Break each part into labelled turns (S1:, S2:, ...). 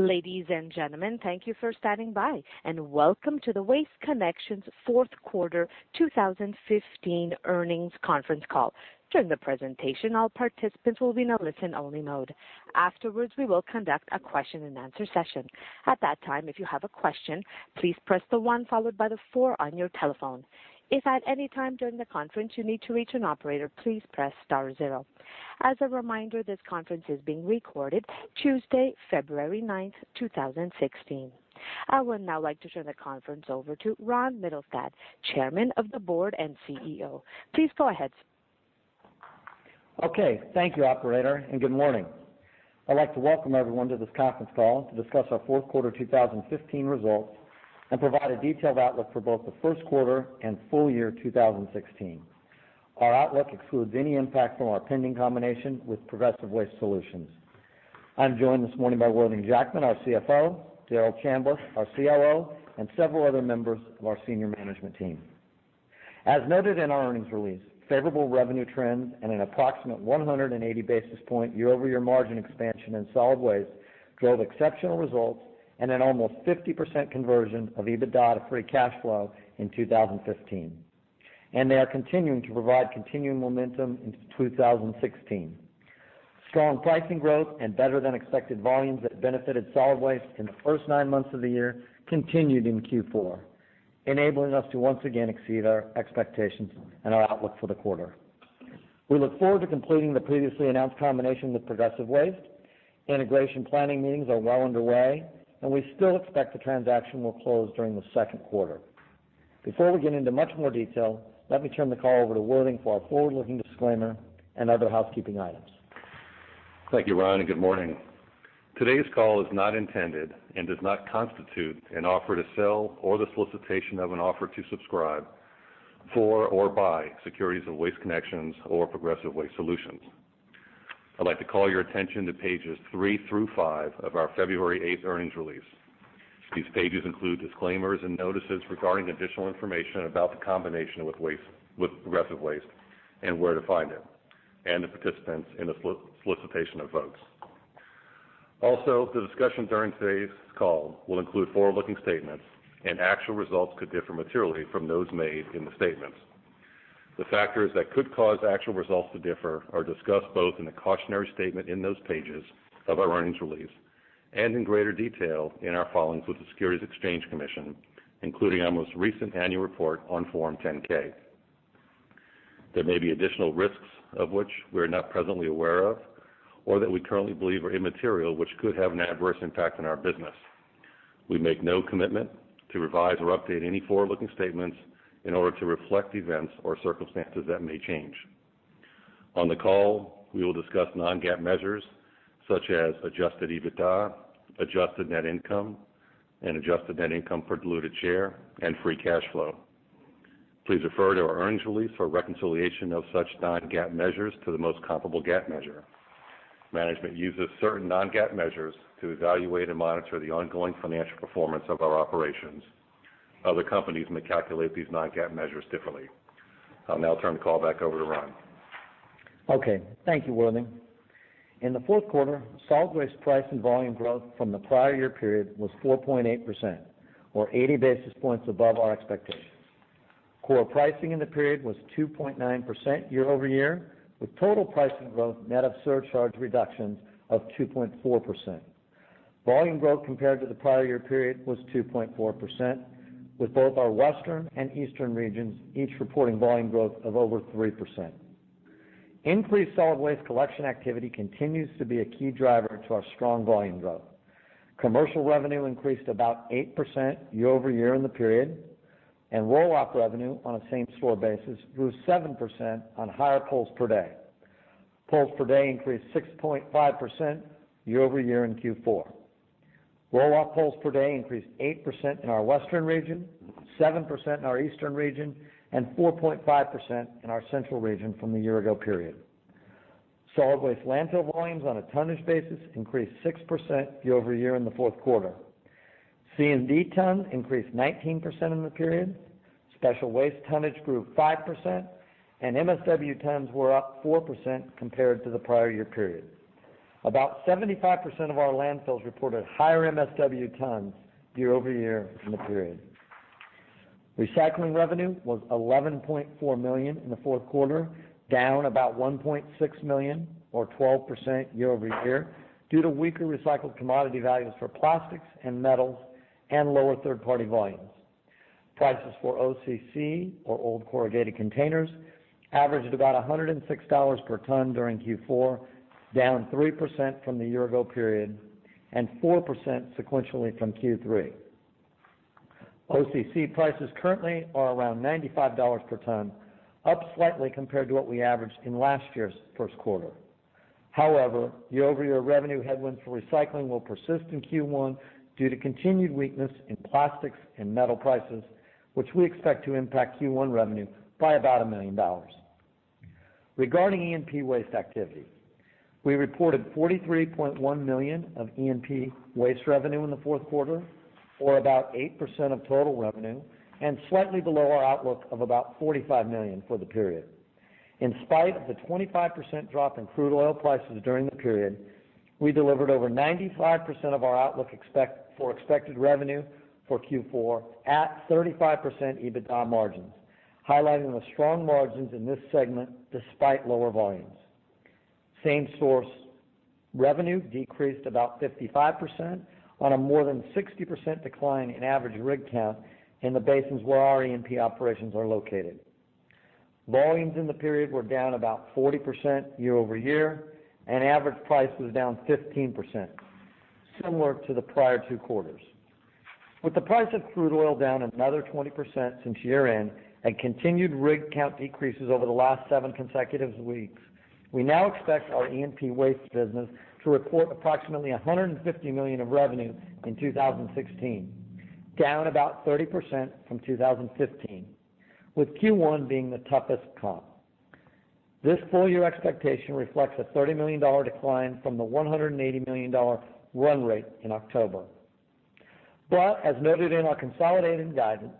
S1: Ladies and gentlemen, thank you for standing by, and welcome to the Waste Connections fourth quarter 2015 earnings conference call. During the presentation, all participants will be in a listen-only mode. Afterwards, we will conduct a question-and-answer session. At that time, if you have a question, please press the one followed by the four on your telephone. If at any time during the conference you need to reach an operator, please press star zero. As a reminder, this conference is being recorded Tuesday, February ninth, 2016. I would now like to turn the conference over to Ron Mittelstaedt, Chairman of the Board and CEO. Please go ahead.
S2: Okay. Thank you, operator, and good morning. I'd like to welcome everyone to this conference call to discuss our fourth quarter 2015 results and provide a detailed outlook for both the first quarter and full year 2016. Our outlook excludes any impact from our pending combination with Progressive Waste Solutions. I'm joined this morning by Worthing Jackman, our CFO, Darrell Chambliss, our COO, and several other members of our senior management team. As noted in our earnings release, favorable revenue trends and an approximate 180 basis point year-over-year margin expansion in solid waste drove exceptional results and an almost 50% conversion of EBITDA to free cash flow in 2015. They are continuing to provide continuing momentum into 2016. Strong pricing growth and better-than-expected volumes that benefited solid waste in the first nine months of the year continued in Q4, enabling us to once again exceed our expectations and our outlook for the quarter. We look forward to completing the previously announced combination with Progressive Waste. Integration planning meetings are well underway, and we still expect the transaction will close during the second quarter. Before we get into much more detail, let me turn the call over to Worthing for our forward-looking disclaimer and other housekeeping items.
S3: Thank you, Ron, and good morning. Today's call is not intended and does not constitute an offer to sell or the solicitation of an offer to subscribe for or by securities of Waste Connections or Progressive Waste Solutions. I'd like to call your attention to pages three through five of our February eighth earnings release. These pages include disclaimers and notices regarding additional information about the combination with Progressive Waste and where to find it, and the participants in the solicitation of votes. The discussion during today's call will include forward-looking statements and actual results could differ materially from those made in the statements. The factors that could cause actual results to differ are discussed both in the cautionary statement in those pages of our earnings release and in greater detail in our filings with the Securities and Exchange Commission, including our most recent annual report on Form 10-K. There may be additional risks of which we are not presently aware of, or that we currently believe are immaterial, which could have an adverse impact on our business. We make no commitment to revise or update any forward-looking statements in order to reflect events or circumstances that may change. On the call, we will discuss non-GAAP measures such as adjusted EBITDA, adjusted net income, and adjusted net income per diluted share, and free cash flow. Please refer to our earnings release for a reconciliation of such non-GAAP measures to the most comparable GAAP measure. Management uses certain non-GAAP measures to evaluate and monitor the ongoing financial performance of our operations. Other companies may calculate these non-GAAP measures differently. I'll now turn the call back over to Ron.
S2: Okay. Thank you, Worthing. In the fourth quarter, solid waste price and volume growth from the prior year period was 4.8%, or 80 basis points above our expectations. Core pricing in the period was 2.9% year-over-year, with total pricing growth net of surcharge reductions of 2.4%. Volume growth compared to the prior year period was 2.4%, with both our western and eastern regions each reporting volume growth of over 3%. Increased solid waste collection activity continues to be a key driver to our strong volume growth. Commercial revenue increased about 8% year-over-year in the period, and roll-off revenue on a same-store basis grew 7% on higher pulls per day. Pulls per day increased 6.5% year-over-year in Q4. Roll-off pulls per day increased 8% in our western region, 7% in our eastern region, and 4.5% in our central region from the year-ago period. Solid waste landfill volumes on a tonnage basis increased 6% year-over-year in the fourth quarter. C&D ton increased 19% in the period, special waste tonnage grew 5%, and MSW tons were up 4% compared to the prior year period. About 75% of our landfills reported higher MSW tons year-over-year in the period. Recycling revenue was $11.4 million in the fourth quarter, down about $1.6 million or 12% year-over-year due to weaker recycled commodity values for plastics and metals and lower third-party volumes. Prices for OCC, or old corrugated containers, averaged about $106 per ton during Q4, down 3% from the year-ago period and 4% sequentially from Q3. OCC prices currently are around $95 per ton, up slightly compared to what we averaged in last year's first quarter. Year-over-year revenue headwinds for recycling will persist in Q1 due to continued weakness in plastics and metal prices, which we expect to impact Q1 revenue by about $1 million. Regarding E&P waste activity, we reported $43.1 million of E&P waste revenue in the fourth quarter, or about 8% of total revenue, and slightly below our outlook of about $45 million for the period. In spite of the 25% drop in crude oil prices during the period, we delivered over 95% of our outlook for expected revenue for Q4 at 35% EBITDA margins, highlighting the strong margins in this segment despite lower volumes. Same-source revenue decreased about 55% on a more than 60% decline in average rig count in the basins where our E&P operations are located. Volumes in the period were down about 40% year-over-year, and average price was down 15%, similar to the prior two quarters. With the price of crude oil down another 20% since year-end and continued rig count decreases over the last seven consecutive weeks, we now expect our E&P waste business to report approximately $150 million of revenue in 2016, down about 30% from 2015, with Q1 being the toughest comp. This full-year expectation reflects a $30 million decline from the $180 million run rate in October. As noted in our consolidated guidance,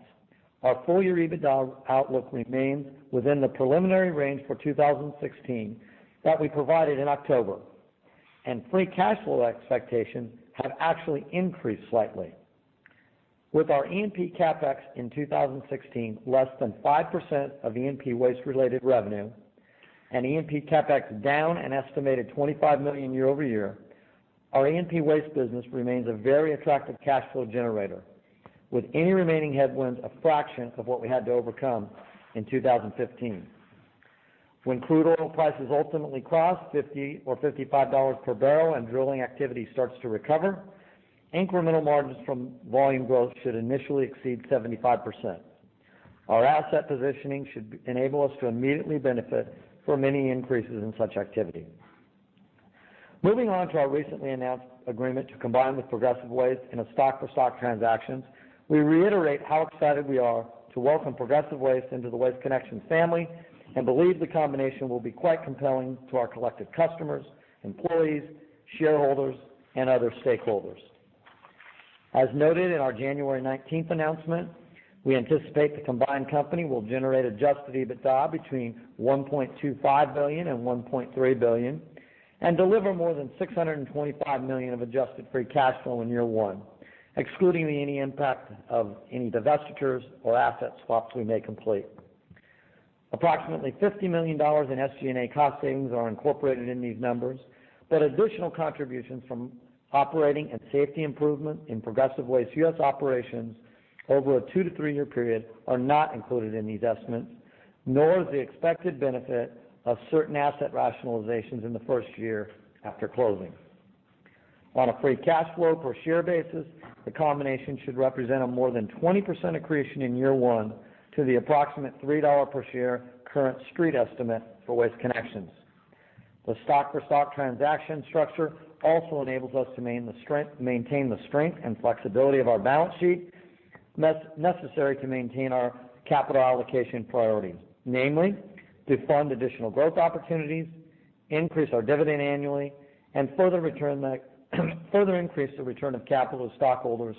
S2: our full-year EBITDA outlook remains within the preliminary range for 2016 that we provided in October, and free cash flow expectations have actually increased slightly. With our E&P CapEx in 2016 less than 5% of E&P waste-related revenue and E&P CapEx down an estimated $25 million year-over-year, our E&P waste business remains a very attractive cash flow generator, with any remaining headwinds a fraction of what we had to overcome in 2015. When crude oil prices ultimately cross $50 or $55 per barrel and drilling activity starts to recover, incremental margins from volume growth should initially exceed 75%. Our asset positioning should enable us to immediately benefit from any increases in such activity. Moving on to our recently announced agreement to combine with Progressive Waste in a stock-for-stock transaction, we reiterate how excited we are to welcome Progressive Waste into the Waste Connections family and believe the combination will be quite compelling to our collective customers, employees, shareholders, and other stakeholders. As noted in our January 19th announcement, we anticipate the combined company will generate adjusted EBITDA between $1.25 billion and $1.3 billion and deliver more than $625 million of adjusted free cash flow in year one, excluding any impact of any divestitures or asset swaps we may complete. Approximately $50 million in SG&A cost savings are incorporated in these numbers. Additional contributions from operating and safety improvement in Progressive Waste U.S. operations over a two- to three-year period are not included in these estimates, nor is the expected benefit of certain asset rationalizations in the first year after closing. On a free cash flow per share basis, the combination should represent a more than 20% accretion in year one to the approximate $3 per share current Street estimate for Waste Connections. The stock-for-stock transaction structure also enables us to maintain the strength and flexibility of our balance sheet necessary to maintain our capital allocation priorities. Namely, to fund additional growth opportunities, increase our dividend annually, and further increase the return of capital to stockholders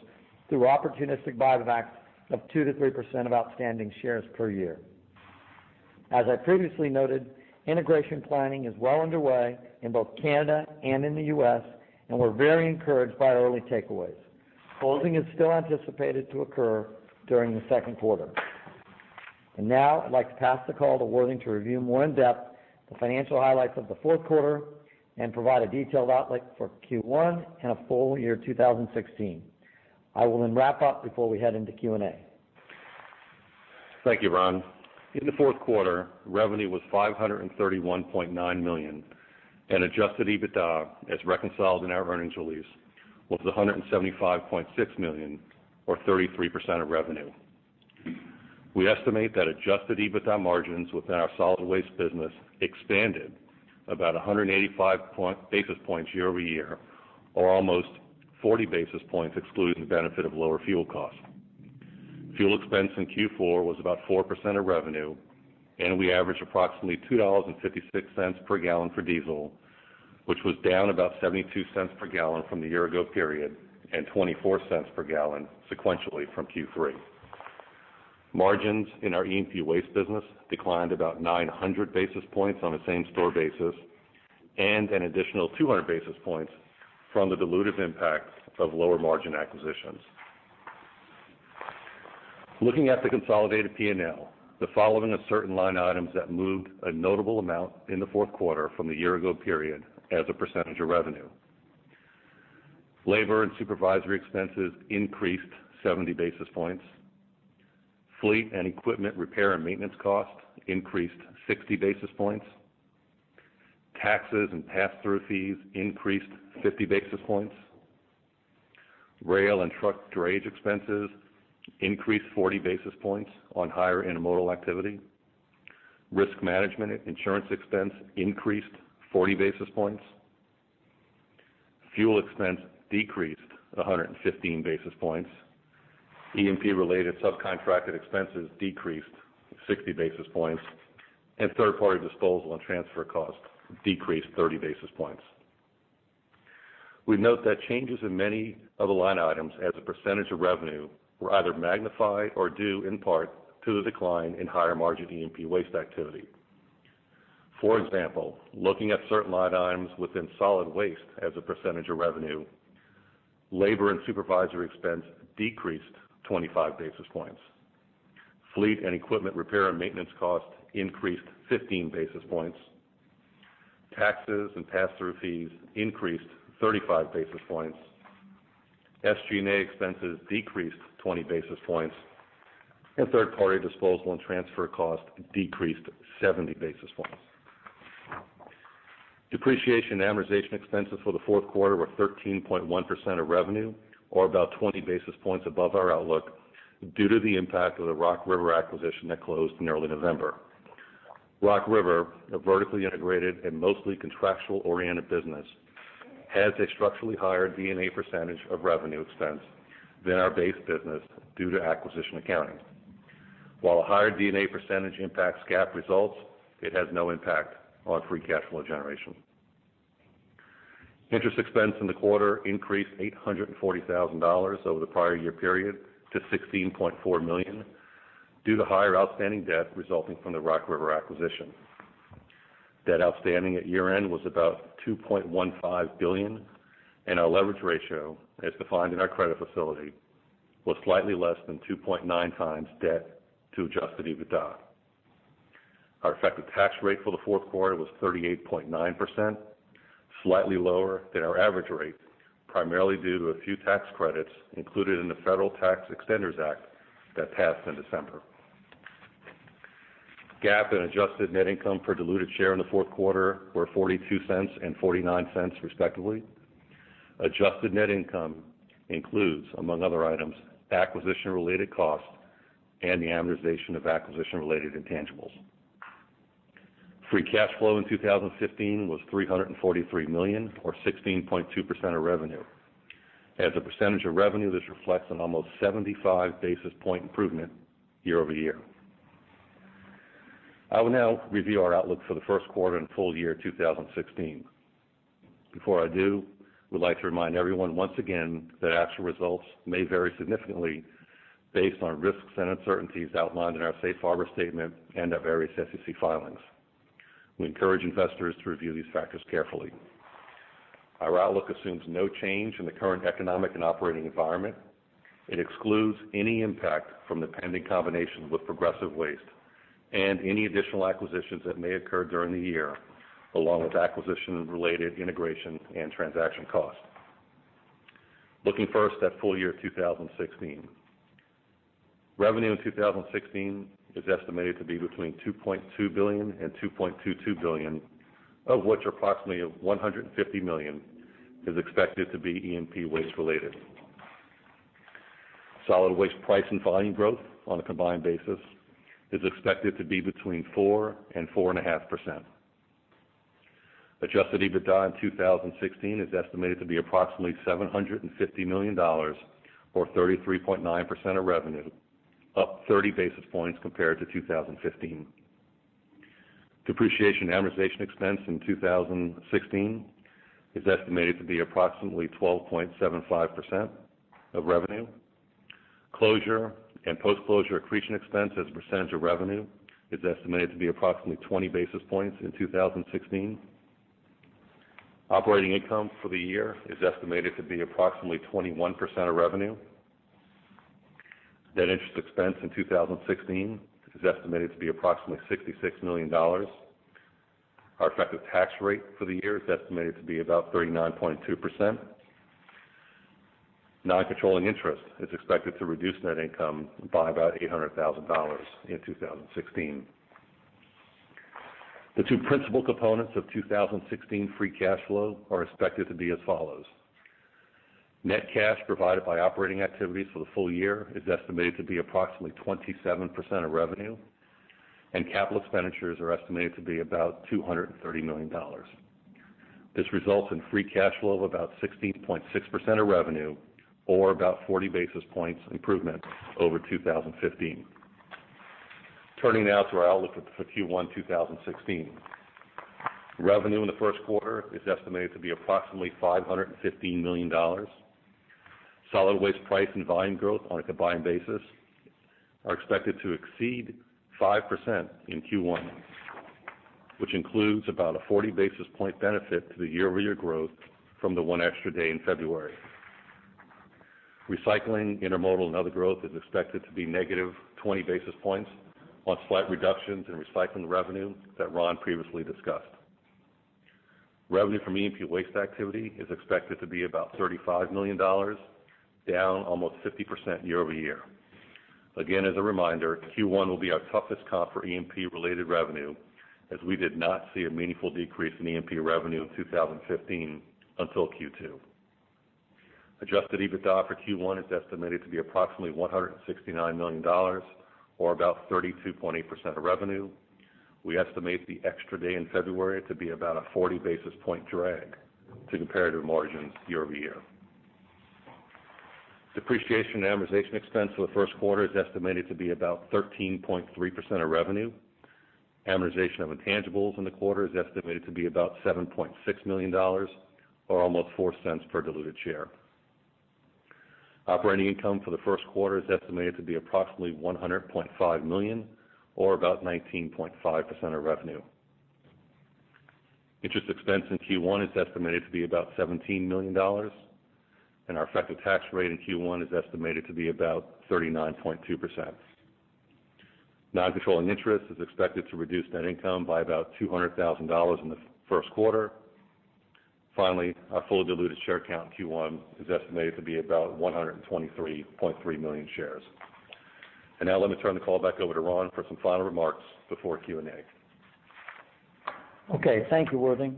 S2: through opportunistic buybacks of 2%-3% of outstanding shares per year. As I previously noted, integration planning is well underway in both Canada and in the U.S. We're very encouraged by our early takeaways. Closing is still anticipated to occur during the second quarter. Now I'd like to pass the call to Worthing to review more in depth the financial highlights of the fourth quarter and provide a detailed outlook for Q1 and full year 2016. I will wrap up before we head into Q&A.
S3: Thank you, Ron. In the fourth quarter, revenue was $531.9 million, and adjusted EBITDA, as reconciled in our earnings release, was $175.6 million or 33% of revenue. We estimate that adjusted EBITDA margins within our solid waste business expanded about 185 basis points year-over-year, or almost 40 basis points excluding the benefit of lower fuel costs. Fuel expense in Q4 was about 4% of revenue, and we averaged approximately $2.56 per gallon for diesel, which was down about $0.72 per gallon from the year-ago period and $0.24 per gallon sequentially from Q3. Margins in our E&P waste business declined about 900 basis points on a same-store basis and an additional 200 basis points from the dilutive impact of lower-margin acquisitions. Looking at the consolidated P&L, the following are certain line items that moved a notable amount in the fourth quarter from the year-ago period as a percentage of revenue. Labor and supervisory expenses increased 70 basis points. Fleet and equipment repair and maintenance costs increased 60 basis points. Taxes and pass-through fees increased 50 basis points. Rail and truck drayage expenses increased 40 basis points on higher intermodal activity. Risk management and insurance expense increased 40 basis points. Fuel expense decreased 115 basis points. E&P-related subcontracted expenses decreased 60 basis points, and third-party disposal and transfer costs decreased 30 basis points. We note that changes in many of the line items as a percentage of revenue were either magnified or due in part to the decline in higher margin E&P waste activity. For example, looking at certain line items within solid waste as a percentage of revenue, labor and supervisory expense decreased 25 basis points. Fleet and equipment repair and maintenance cost increased 15 basis points. Taxes and pass-through fees increased 35 basis points. SG&A expenses decreased 20 basis points, and third-party disposal and transfer cost decreased 70 basis points. Depreciation and amortization expenses for the fourth quarter were 13.1% of revenue, or about 20 basis points above our outlook due to the impact of the Rock River acquisition that closed in early November. Rock River, a vertically integrated and mostly contractual-oriented business, has a structurally higher D&A percentage of revenue expense than our base business due to acquisition accounting. While a higher D&A percentage impacts GAAP results, it has no impact on free cash flow generation. Interest expense in the quarter increased $840,000 over the prior year period to $16.4 million due to higher outstanding debt resulting from the Rock River acquisition. Debt outstanding at year-end was about $2.15 billion, and our leverage ratio, as defined in our credit facility, was slightly less than 2.9 times debt to adjusted EBITDA. Our effective tax rate for the fourth quarter was 38.9%, slightly lower than our average rate, primarily due to a few tax credits included in the Federal Tax Extenders Act that passed in December. GAAP and adjusted net income per diluted share in the fourth quarter were $0.42 and $0.49 respectively. Adjusted net income includes, among other items, acquisition-related costs and the amortization of acquisition-related intangibles. Free cash flow in 2015 was $343 million or 16.2% of revenue. As a percentage of revenue, this reflects an almost 75 basis point improvement year-over-year. I will now review our outlook for the first quarter and full year 2016. Before I do, we'd like to remind everyone once again that actual results may vary significantly based on risks and uncertainties outlined in our safe harbor statement and our various SEC filings. We encourage investors to review these factors carefully. Our outlook assumes no change in the current economic and operating environment. It excludes any impact from the pending combinations with Progressive Waste and any additional acquisitions that may occur during the year, along with acquisition-related integration and transaction costs. Looking first at full year 2016. Revenue in 2016 is estimated to be between $2.2 billion and $2.22 billion, of which approximately $150 million is expected to be E&P Waste related. Solid waste price and volume growth on a combined basis is expected to be between 4% and 4.5%. Adjusted EBITDA in 2016 is estimated to be approximately $750 million, or 33.9% of revenue, up 30 basis points compared to 2015. Depreciation and amortization expense in 2016 is estimated to be approximately 12.75% of revenue. Closure and post-closure accretion expense as a percentage of revenue is estimated to be approximately 20 basis points in 2016. Operating income for the year is estimated to be approximately 21% of revenue. Net interest expense in 2016 is estimated to be approximately $66 million. Our effective tax rate for the year is estimated to be about 39.2%. Non-controlling interest is expected to reduce net income by about $800,000 in 2016. The two principal components of 2016 free cash flow are expected to be as follows. Net cash provided by operating activities for the full year is estimated to be approximately 27% of revenue. Capital expenditures are estimated to be about $230 million. This results in free cash flow of about 16.6% of revenue or about 40 basis points improvement over 2015. Turning now to our outlook for Q1 2016. Revenue in the first quarter is estimated to be approximately $515 million. Solid waste price and volume growth on a combined basis are expected to exceed 5% in Q1, which includes about a 40 basis point benefit to the year-over-year growth from the one extra day in February. Recycling, intermodal, and other growth is expected to be negative 20 basis points on slight reductions in recycling revenue that Ron previously discussed. Revenue from E&P Waste activity is expected to be about $35 million, down almost 50% year-over-year. Again, as a reminder, Q1 will be our toughest comp for E&P-related revenue, as we did not see a meaningful decrease in E&P revenue in 2015 until Q2. Adjusted EBITDA for Q1 is estimated to be approximately $169 million, or about 32.8% of revenue. We estimate the extra day in February to be about a 40 basis point drag to comparative margins year-over-year. Depreciation and amortization expense for the first quarter is estimated to be about 13.3% of revenue. Amortization of intangibles in the quarter is estimated to be about $7.6 million, or almost $0.04 per diluted share. Operating income for the first quarter is estimated to be approximately $100.5 million or about 19.5% of revenue. Interest expense in Q1 is estimated to be about $17 million. Our effective tax rate in Q1 is estimated to be about 39.2%. Non-controlling interest is expected to reduce net income by about $200,000 in the first quarter. Finally, our full diluted share count in Q1 is estimated to be about 123.3 million shares. Now let me turn the call back over to Ron for some final remarks before Q&A.
S2: Okay. Thank you, Worthing.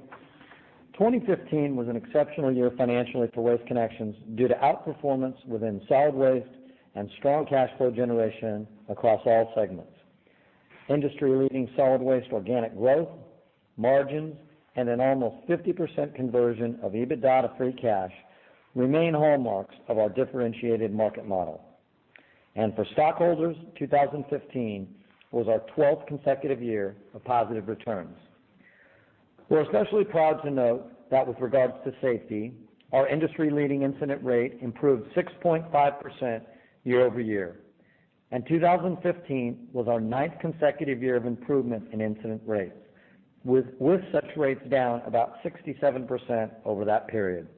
S2: 2015 was an exceptional year financially for Waste Connections due to outperformance within solid waste and strong cash flow generation across all segments. Industry-leading solid waste, organic growth, margins, and an almost 50% conversion of EBITDA to free cash remain hallmarks of our differentiated market model. For stockholders, 2015 was our 12th consecutive year of positive returns. We're especially proud to note that with regards to safety, our industry-leading incident rate improved 6.5% year-over-year. 2015 was our ninth consecutive year of improvement in incident rates, with such rates down about 67% over that period.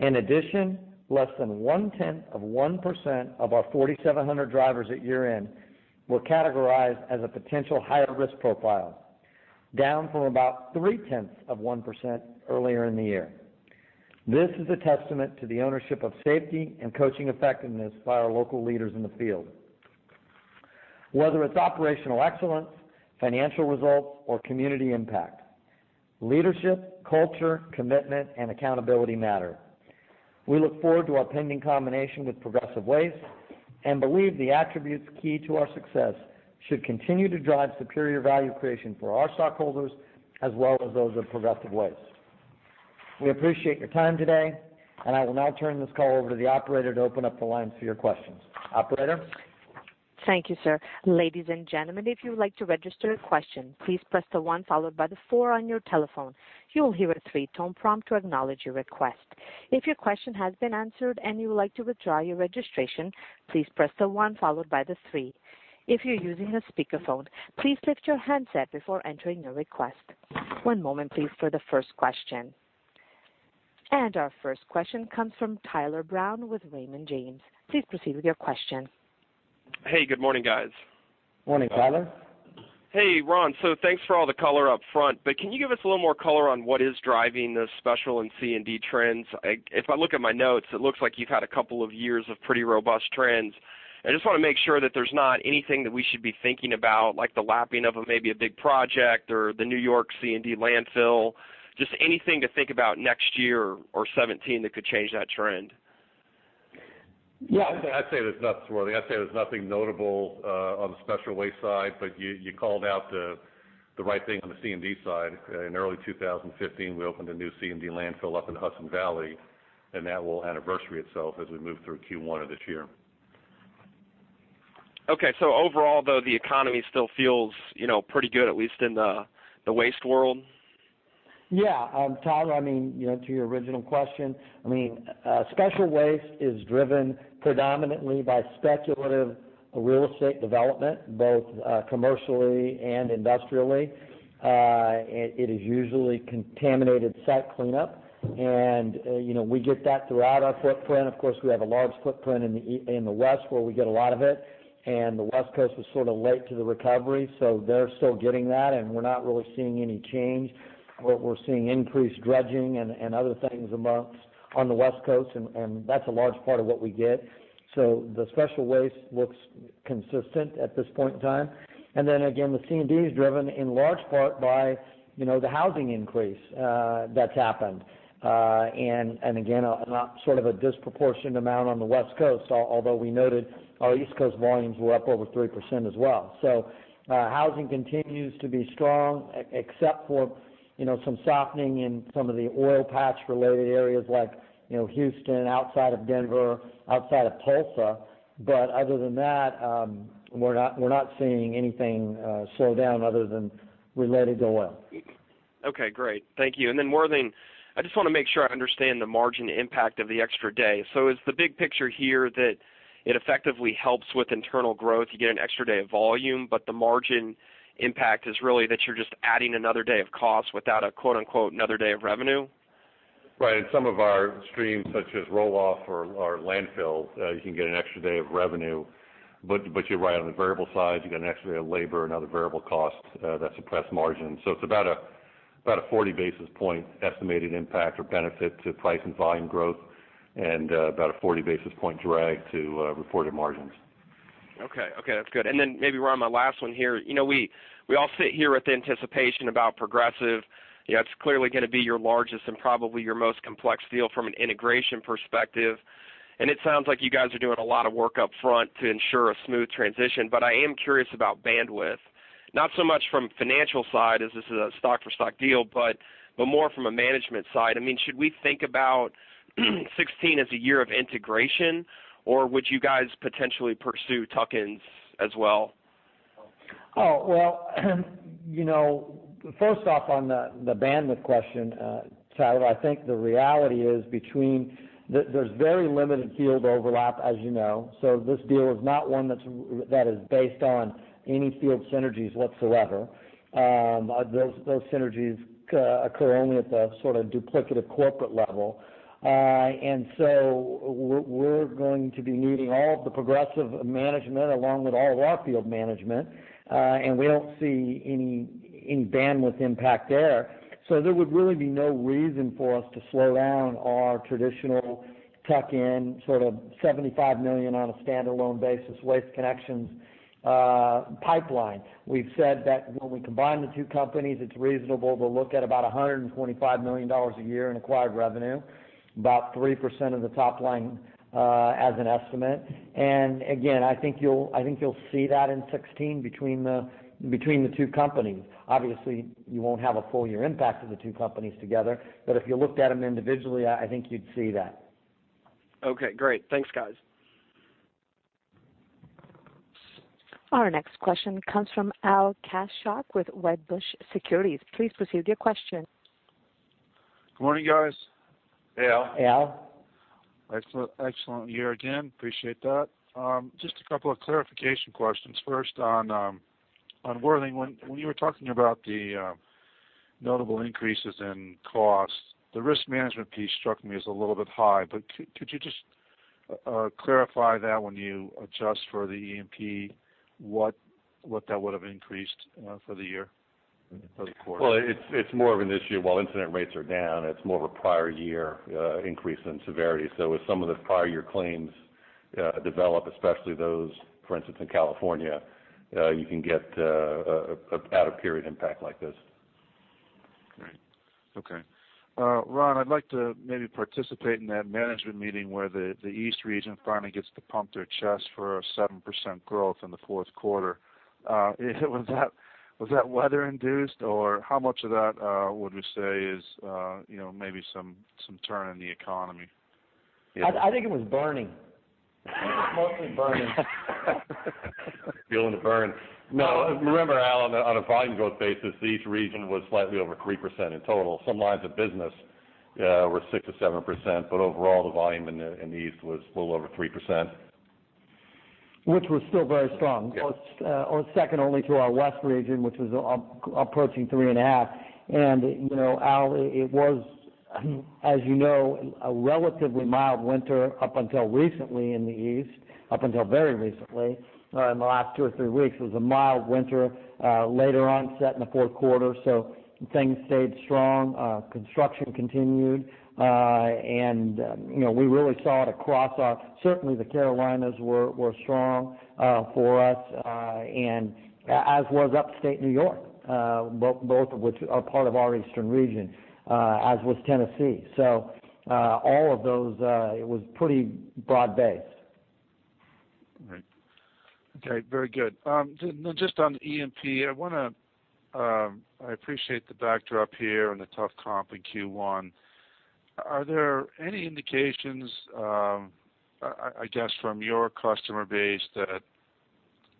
S2: In addition, less than one-tenth of 1% of our 4,700 drivers at year-end were categorized as a potential higher risk profile, down from about three-tenths of 1% earlier in the year. This is a testament to the ownership of safety and coaching effectiveness by our local leaders in the field. Whether it's operational excellence, financial results, or community impact, leadership, culture, commitment, and accountability matter. We look forward to our pending combination with Progressive Waste and believe the attributes key to our success should continue to drive superior value creation for our stockholders, as well as those of Progressive Waste. We appreciate your time today. I will now turn this call over to the operator to open up the lines for your questions. Operator?
S1: Thank you, sir. Ladies and gentlemen, if you would like to register a question, please press the one followed by the four on your telephone. You will hear a three-tone prompt to acknowledge your request. If your question has been answered and you would like to withdraw your registration, please press the one followed by the three. If you're using a speakerphone, please lift your handset before entering your request. One moment please, for the first question. Our first question comes from Tyler Brown with Raymond James. Please proceed with your question.
S4: Hey, good morning, guys.
S2: Morning, Tyler.
S4: Hey, Ron. Thanks for all the color up front, can you give us a little more color on what is driving the special and C&D trends? If I look at my notes, it looks like you've had a couple of years of pretty robust trends. I just want to make sure that there's not anything that we should be thinking about, like the lapping of a maybe a big project or the New York C&D landfill. Anything to think about next year or 2017 that could change that trend.
S2: Yeah.
S3: I'd say there's nothing notable on the special waste side, you called out the right thing on the C&D side. In early 2015, we opened a new C&D landfill up in the Hudson Valley, that will anniversary itself as we move through Q1 of this year.
S4: Okay. Overall though, the economy still feels pretty good, at least in the waste world?
S2: Yeah. Tyler, to your original question, special waste is driven predominantly by speculative real estate development, both commercially and industrially. It is usually contaminated site cleanup. We get that throughout our footprint. Of course, we have a large footprint in the West, where we get a lot of it. The West Coast was sort of late to the recovery, so they're still getting that, and we're not really seeing any change. What we're seeing increased dredging and other things on the West Coast, and that's a large part of what we get. The special waste looks consistent at this point in time. Then again, the C&D is driven in large part by the housing increase that's happened. Again, a disproportionate amount on the West Coast, although we noted our East Coast volumes were up over 3% as well. Housing continues to be strong, except for some softening in some of the oil patch-related areas like Houston, outside of Denver, outside of Tulsa. Other than that, we're not seeing anything slow down other than related to oil.
S4: Okay, great. Thank you. Then Worthing, I just want to make sure I understand the margin impact of the extra day. Is the big picture here that it effectively helps with internal growth, you get an extra day of volume, but the margin impact is really that you're just adding another day of cost without a quote unquote, "another day of revenue?
S3: Right. In some of our streams, such as roll-off or landfill, you can get an extra day of revenue, but you're right, on the variable side, you get an extra day of labor, another variable cost that suppress margin. It's about a 40-basis point estimated impact or benefit to price and volume growth and about a 40-basis point drag to reported margins.
S4: Okay. That's good. Maybe, Ron, my last one here. We all sit here with anticipation about Progressive. It's clearly going to be your largest and probably your most complex deal from an integration perspective, and it sounds like you guys are doing a lot of work up front to ensure a smooth transition, but I am curious about bandwidth. Not so much from the financial side as this is a stock-for-stock deal, but more from a management side. Should we think about 2016 as a year of integration, or would you guys potentially pursue tuck-ins as well?
S2: First off on the bandwidth question, Tyler, I think the reality is there's very limited field overlap as you know. This deal is not one that is based on any field synergies whatsoever. Those synergies occur only at the duplicative corporate level. We're going to be needing all of the Progressive management along with all of our field management, and we don't see any bandwidth impact there. There would really be no reason for us to slow down our traditional tuck-in, sort of $75 million on a standalone basis Waste Connections pipeline. We've said that when we combine the two companies, it's reasonable to look at about $125 million a year in acquired revenue, about 3% of the top line, as an estimate. Again, I think you'll see that in 2016 between the two companies. Obviously, you won't have a full year impact of the two companies together, but if you looked at them individually, I think you'd see that.
S4: Okay, great. Thanks, guys.
S1: Our next question comes from Al Kaschalk with Wedbush Securities. Please proceed with your question.
S5: Good morning, guys.
S2: Hey, Al.
S3: Al.
S5: Excellent year again, appreciate that. Just a couple of clarification questions. First on Worthing. When you were talking about the notable increases in cost, the risk management piece struck me as a little bit high, but could you just clarify that when you adjust for the E&P, what that would've increased for the year, for the quarter?
S3: Well, it's more of an issue while incident rates are down, it's more of a prior year increase in severity. As some of the prior year claims develop, especially those, for instance, in California, you can get out of period impact like this.
S5: Right. Okay. Ron, I'd like to maybe participate in that management meeting where the East region finally gets to pump their chest for a 7% growth in the fourth quarter. Was that weather induced, or how much of that would we say is maybe some turn in the economy?
S2: I think it was burning. I think it was mostly burning.
S3: Feeling the burn. Remember, Al Kaschalk, on a volume growth basis, the East region was slightly over 3% in total. Some lines of business were 6% to 7%, but overall, the volume in the East was a little over 3%.
S2: Which was still very strong.
S3: Yes.
S2: Second only to our West region, which was approaching 3.5. Al Kaschalk, it was, as you know, a relatively mild winter up until recently in the East, up until very recently. In the last two or three weeks, it was a mild winter later onset in the fourth quarter. Things stayed strong. Construction continued. Certainly, the Carolinas were strong for us, as was Upstate New York, both of which are part of our Eastern region, as was Tennessee. All of those, it was pretty broad-based.
S5: Right. Okay, very good. Just on E&P, I appreciate the backdrop here and the tough comp in Q1. Are there any indications, I guess from your customer base that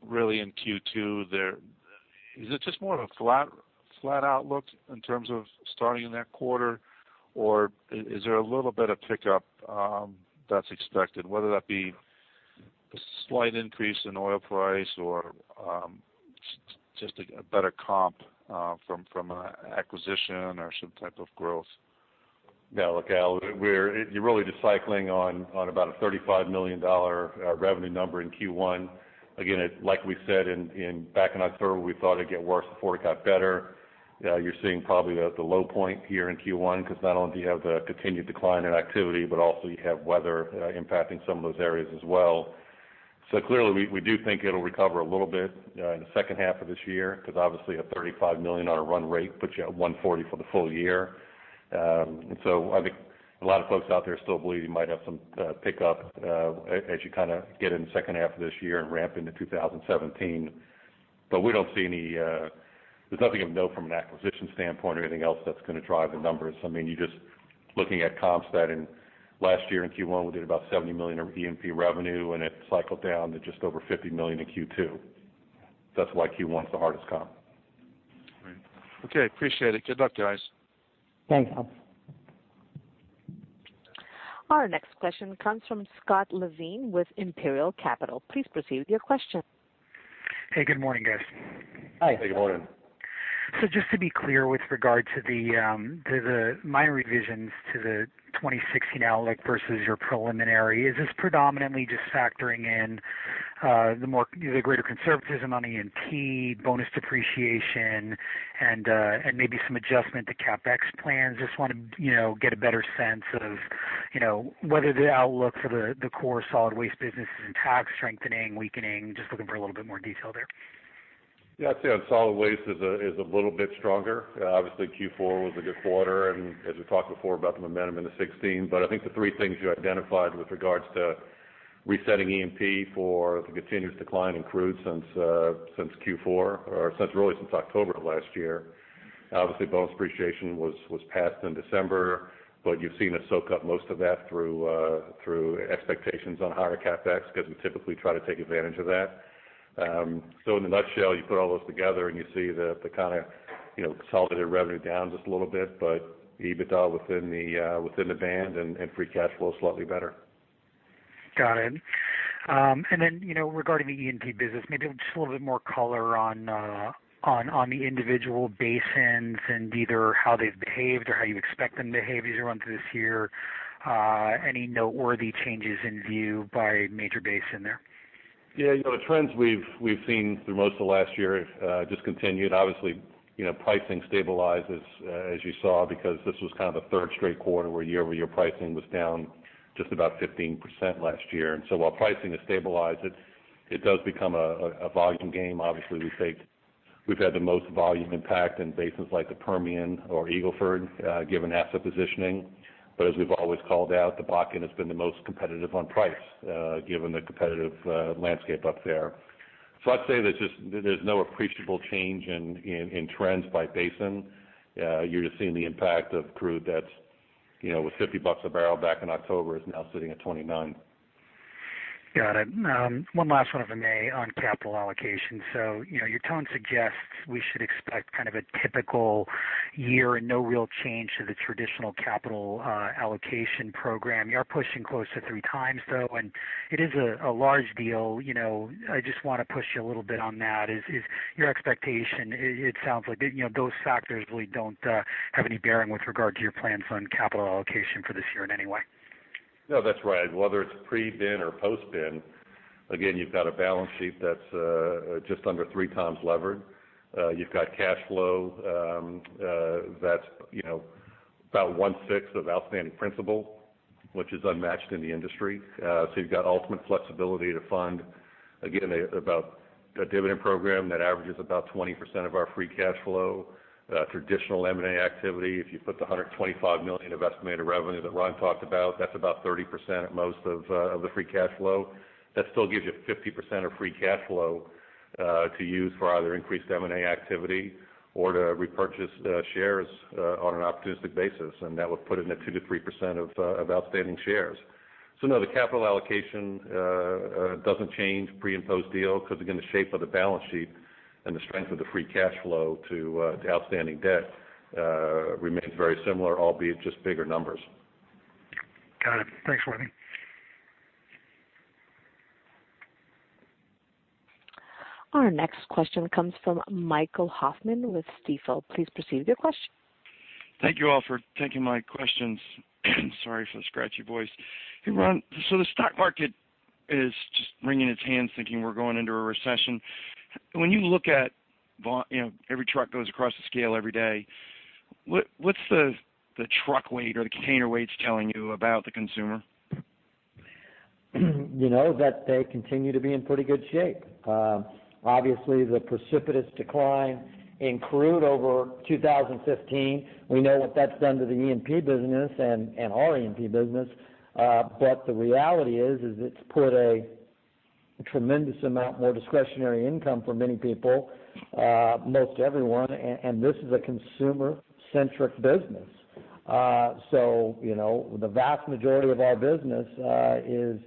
S5: really in Q2 there. Is it just more of a flat outlook in terms of starting that quarter, or is there a little bit of pickup that's expected, whether that be a slight increase in oil price or just a better comp from an acquisition or some type of growth?
S3: Al, you're really just cycling on about a $35 million revenue number in Q1. Again, like we said back in October, we thought it'd get worse before it got better. You're seeing probably the low point here in Q1 because not only do you have the continued decline in activity, but also you have weather impacting some of those areas as well. Clearly, we do think it'll recover a little bit in the second half of this year because obviously a $35 million on a run rate puts you at $140 for the full year. I think a lot of folks out there still believe you might have some pickup as you kind of get into the second half of this year and ramp into 2017. There's nothing we know from an acquisition standpoint or anything else that's going to drive the numbers. You're just looking at comps that in last year in Q1, we did about $70 million of E&P revenue, and it cycled down to just over $50 million in Q2. That's why Q1 is the hardest comp.
S5: Right. Okay, appreciate it. Good luck, guys.
S2: Thanks, Al.
S1: Our next question comes from Scott Levine with Imperial Capital. Please proceed with your question.
S6: Hey, good morning, guys.
S2: Hi.
S3: Good morning.
S6: Just to be clear with regard to the minor revisions to the 2016 outlook versus your preliminary. Is this predominantly just factoring in the greater conservatism on E&P bonus depreciation and maybe some adjustment to CapEx plans? Just want to get a better sense of whether the outlook for the core solid waste business is intact, strengthening, weakening. Just looking for a little bit more detail there.
S3: Yeah. I'd say on solid waste is a little bit stronger. Obviously, Q4 was a good quarter, as we talked before about the momentum into 2016. I think the three things you identified with regards to Resetting E&P for the continuous decline in crude since Q4 or really since October of last year. Obviously, bonus depreciation was passed in December, but you've seen us soak up most of that through expectations on higher CapEx because we typically try to take advantage of that. In a nutshell, you put all those together and you see the kind of consolidated revenue down just a little bit, but EBITDA within the band and free cash flow slightly better.
S6: Got it. Regarding the E&P business, maybe just a little bit more color on the individual basins and either how they've behaved or how you expect them to behave either onto this year. Any noteworthy changes in view by major basin there?
S3: Yeah. The trends we've seen through most of last year have just continued. Obviously, pricing stabilizes as you saw because this was kind of the third straight quarter where year-over-year pricing was down just about 15% last year. While pricing has stabilized, it does become a volume game. Obviously, we've had the most volume impact in basins like the Permian or Eagle Ford, given asset positioning. As we've always called out, the Bakken has been the most competitive on price, given the competitive landscape up there. I'd say there's no appreciable change in trends by basin. You're just seeing the impact of crude that was $50 a barrel back in October, is now sitting at $29.
S6: Got it. One last one of M&A on capital allocation. Your tone suggests we should expect kind of a typical year and no real change to the traditional capital allocation program. You are pushing close to three times though, and it is a large deal. I just want to push you a little bit on that. Is your expectation, it sounds like those factors really don't have any bearing with regard to your plans on capital allocation for this year in any way?
S3: No, that's right. Whether it's pre-BIN or post-BIN, again, you've got a balance sheet that's just under 3 times levered. You've got cash flow that's about one-sixth of outstanding principal, which is unmatched in the industry. You've got ultimate flexibility to fund, again, a dividend program that averages about 20% of our free cash flow. Traditional M&A activity, if you put the $125 million of estimated revenue that Ron talked about, that's about 30% at most of the free cash flow. That still gives you 50% of free cash flow to use for either increased M&A activity or to repurchase shares on an opportunistic basis. That would put it in the 2%-3% of outstanding shares. No, the capital allocation doesn't change pre- and post-deal because, again, the shape of the balance sheet and the strength of the free cash flow to outstanding debt remains very similar, albeit just bigger numbers.
S6: Got it. Thanks, Worthing.
S1: Our next question comes from Michael Hoffman with Stifel. Please proceed with your question.
S7: Thank you all for taking my questions. Sorry for the scratchy voice. Hey, Ron. The stock market is just wringing its hands thinking we're going into a recession. When you look at every truck goes across the scale every day, what's the truck weight or the container weights telling you about the consumer?
S2: They continue to be in pretty good shape. Obviously, the precipitous decline in crude over 2015, we know what that's done to the E&P business and our E&P business. The reality is it's put a tremendous amount more discretionary income for many people, most everyone, and this is a consumer-centric business. The vast majority of our business is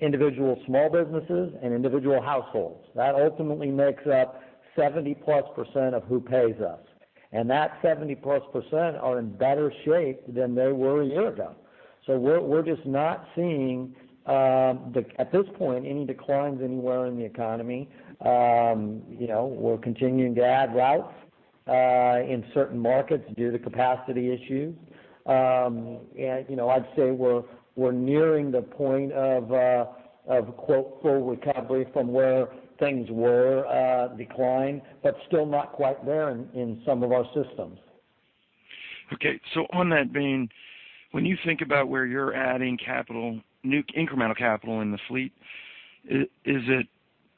S2: individual small businesses and individual households. That ultimately makes up 70+% of who pays us, and that 70+% are in better shape than they were a year ago. We're just not seeing at this point any declines anywhere in the economy. We're continuing to add routes in certain markets due to capacity issues. I'd say we're nearing the point of a quote, "full recovery" from where things were declined, but still not quite there in some of our systems.
S7: Okay. On that vein, when you think about where you're adding capital, new incremental capital in the fleet, is it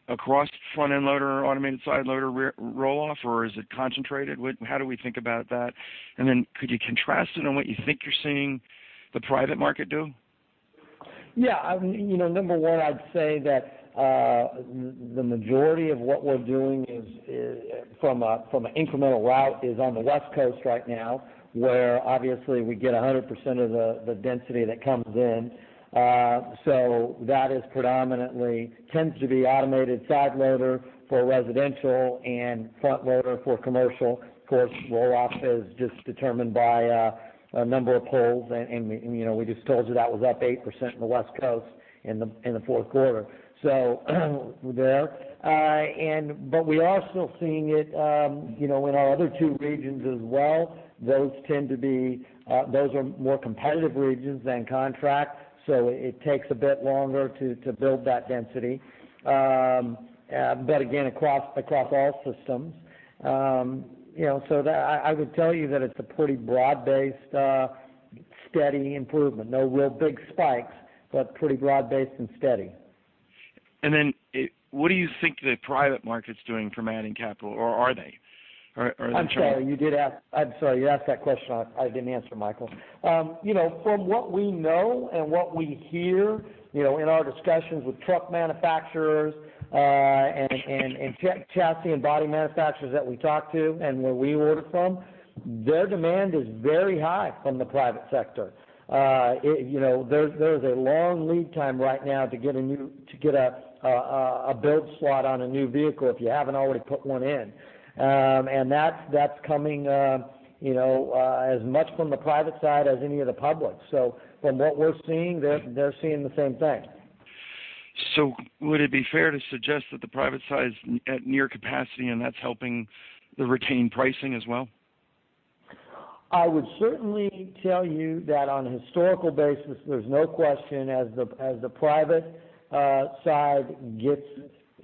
S7: across front-end loader or automated side loader roll-off, or is it concentrated? How do we think about that? Could you contrast it on what you think you're seeing the private market do?
S2: Yeah. Number one, I'd say that the majority of what we're doing from an incremental route is on the West Coast right now, where obviously we get 100% of the density that comes in. That predominantly tends to be automated side loader for residential and front loader for commercial. Of course, roll-off is just determined by a number of polls, and we just told you that was up 8% on the West Coast in the fourth quarter. There. We are still seeing it in our other two regions as well. Those are more competitive regions than contract, so it takes a bit longer to build that density. But again, across all systems. I would tell you that it's a pretty broad-based steady improvement. No real big spikes, but pretty broad-based and steady.
S7: What do you think the private market's doing for adding capital, or are they?
S2: I'm sorry, you asked that question, I didn't answer, Michael. From what we know and what we hear in our discussions with truck manufacturers and chassis and body manufacturers that we talk to and where we order from, their demand is very high from the private sector. There's a long lead time right now to get a build slot on a new vehicle if you haven't already put one in. That's coming as much from the private side as any of the public. From what we're seeing, they're seeing the same thing.
S7: Would it be fair to suggest that the private side is at near capacity and that's helping the retained pricing as well?
S2: I would certainly tell you that on a historical basis, there's no question as the private side gets,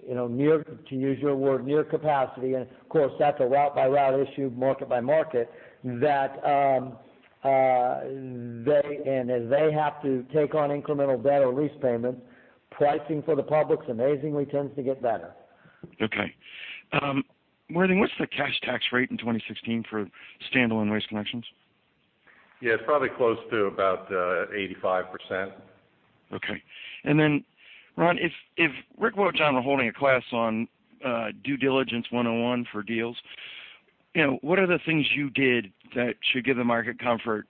S2: to use your word, near capacity, of course, that's a route-by-route issue, market by market, as they have to take on incremental debt or lease payments, pricing for the public amazingly tends to get better.
S7: Okay. Worthing, what's the cash tax rate in 2016 for standalone Waste Connections?
S3: Yeah, it's probably close to about 85%.
S7: Okay. Ron, if Rick or John are holding a class on due diligence 101 for deals, what are the things you did that should give the market comfort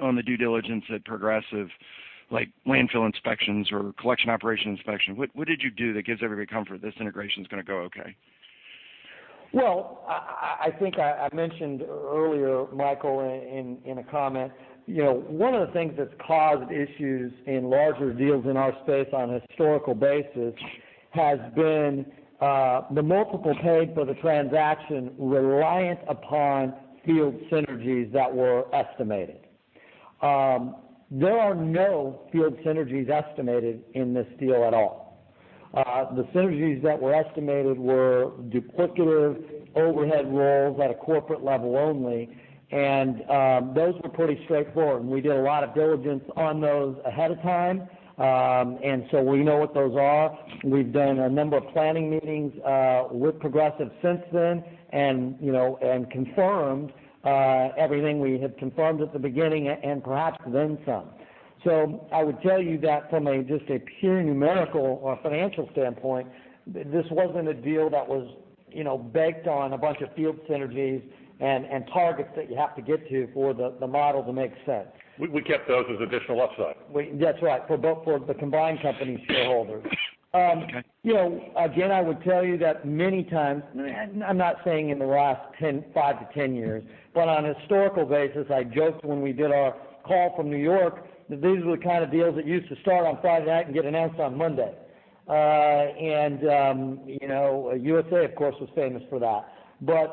S7: on the due diligence at Progressive, like landfill inspections or collection operation inspection? What did you do that gives everybody comfort this integration's going to go okay?
S2: Well, I think I mentioned earlier, Michael, in a comment. One of the things that's caused issues in larger deals in our space on a historical basis has been the multiple paid for the transaction reliant upon field synergies that were estimated. There are no field synergies estimated in this deal at all. The synergies that were estimated were duplicative overhead roles at a corporate level only, and those were pretty straightforward, and so we did a lot of diligence on those ahead of time, and we know what those are. We've done a number of planning meetings with Progressive since then and confirmed everything we had confirmed at the beginning and perhaps then some. I would tell you that from just a pure numerical or financial standpoint, this wasn't a deal that was baked on a bunch of field synergies and targets that you have to get to for the model to make sense.
S3: We kept those as additional upside.
S2: That's right, for both the combined company shareholders.
S7: Okay.
S2: Again, I would tell you that many times, I'm not saying in the last five to 10 years, but on a historical basis, I joked when we did our call from New York that these were the kind of deals that used to start on Friday night and get announced on Monday. USA, of course, was famous for that. This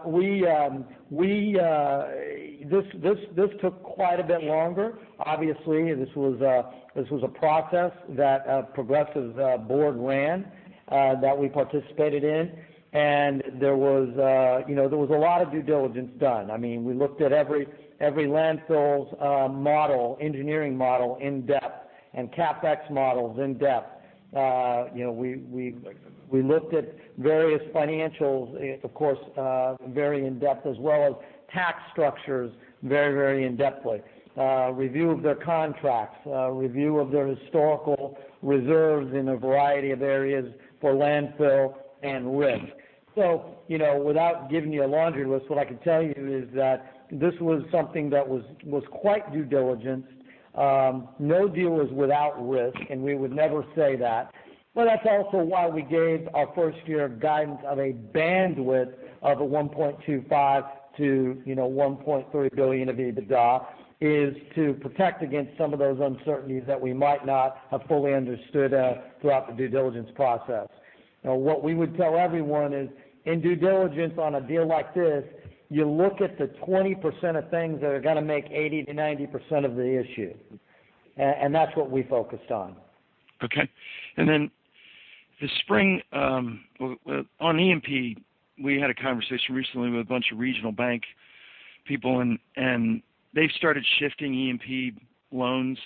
S2: took quite a bit longer. Obviously, this was a process that Progressive's board ran, that we participated in. There was a lot of due diligence done. We looked at every landfill's engineering model in depth and CapEx models in depth. We looked at various financials, of course, very in-depth, as well as tax structures very, very in-depthly. Review of their contracts, review of their historical reserves in a variety of areas for landfill and risk. Without giving you a laundry list, what I can tell you is that this was something that was quite due diligent. No deal is without risk, and we would never say that. That is also why we gave our first year of guidance of a bandwidth of a $1.25 billion-$1.3 billion of EBITDA, is to protect against some of those uncertainties that we might not have fully understood of throughout the due diligence process. We would tell everyone is in due diligence on a deal like this, you look at the 20% of things that are going to make 80%-90% of the issue. That is what we focused on.
S7: Okay. This spring, on E&P, we had a conversation recently with a bunch of regional bank people, and they have started shifting E&P loans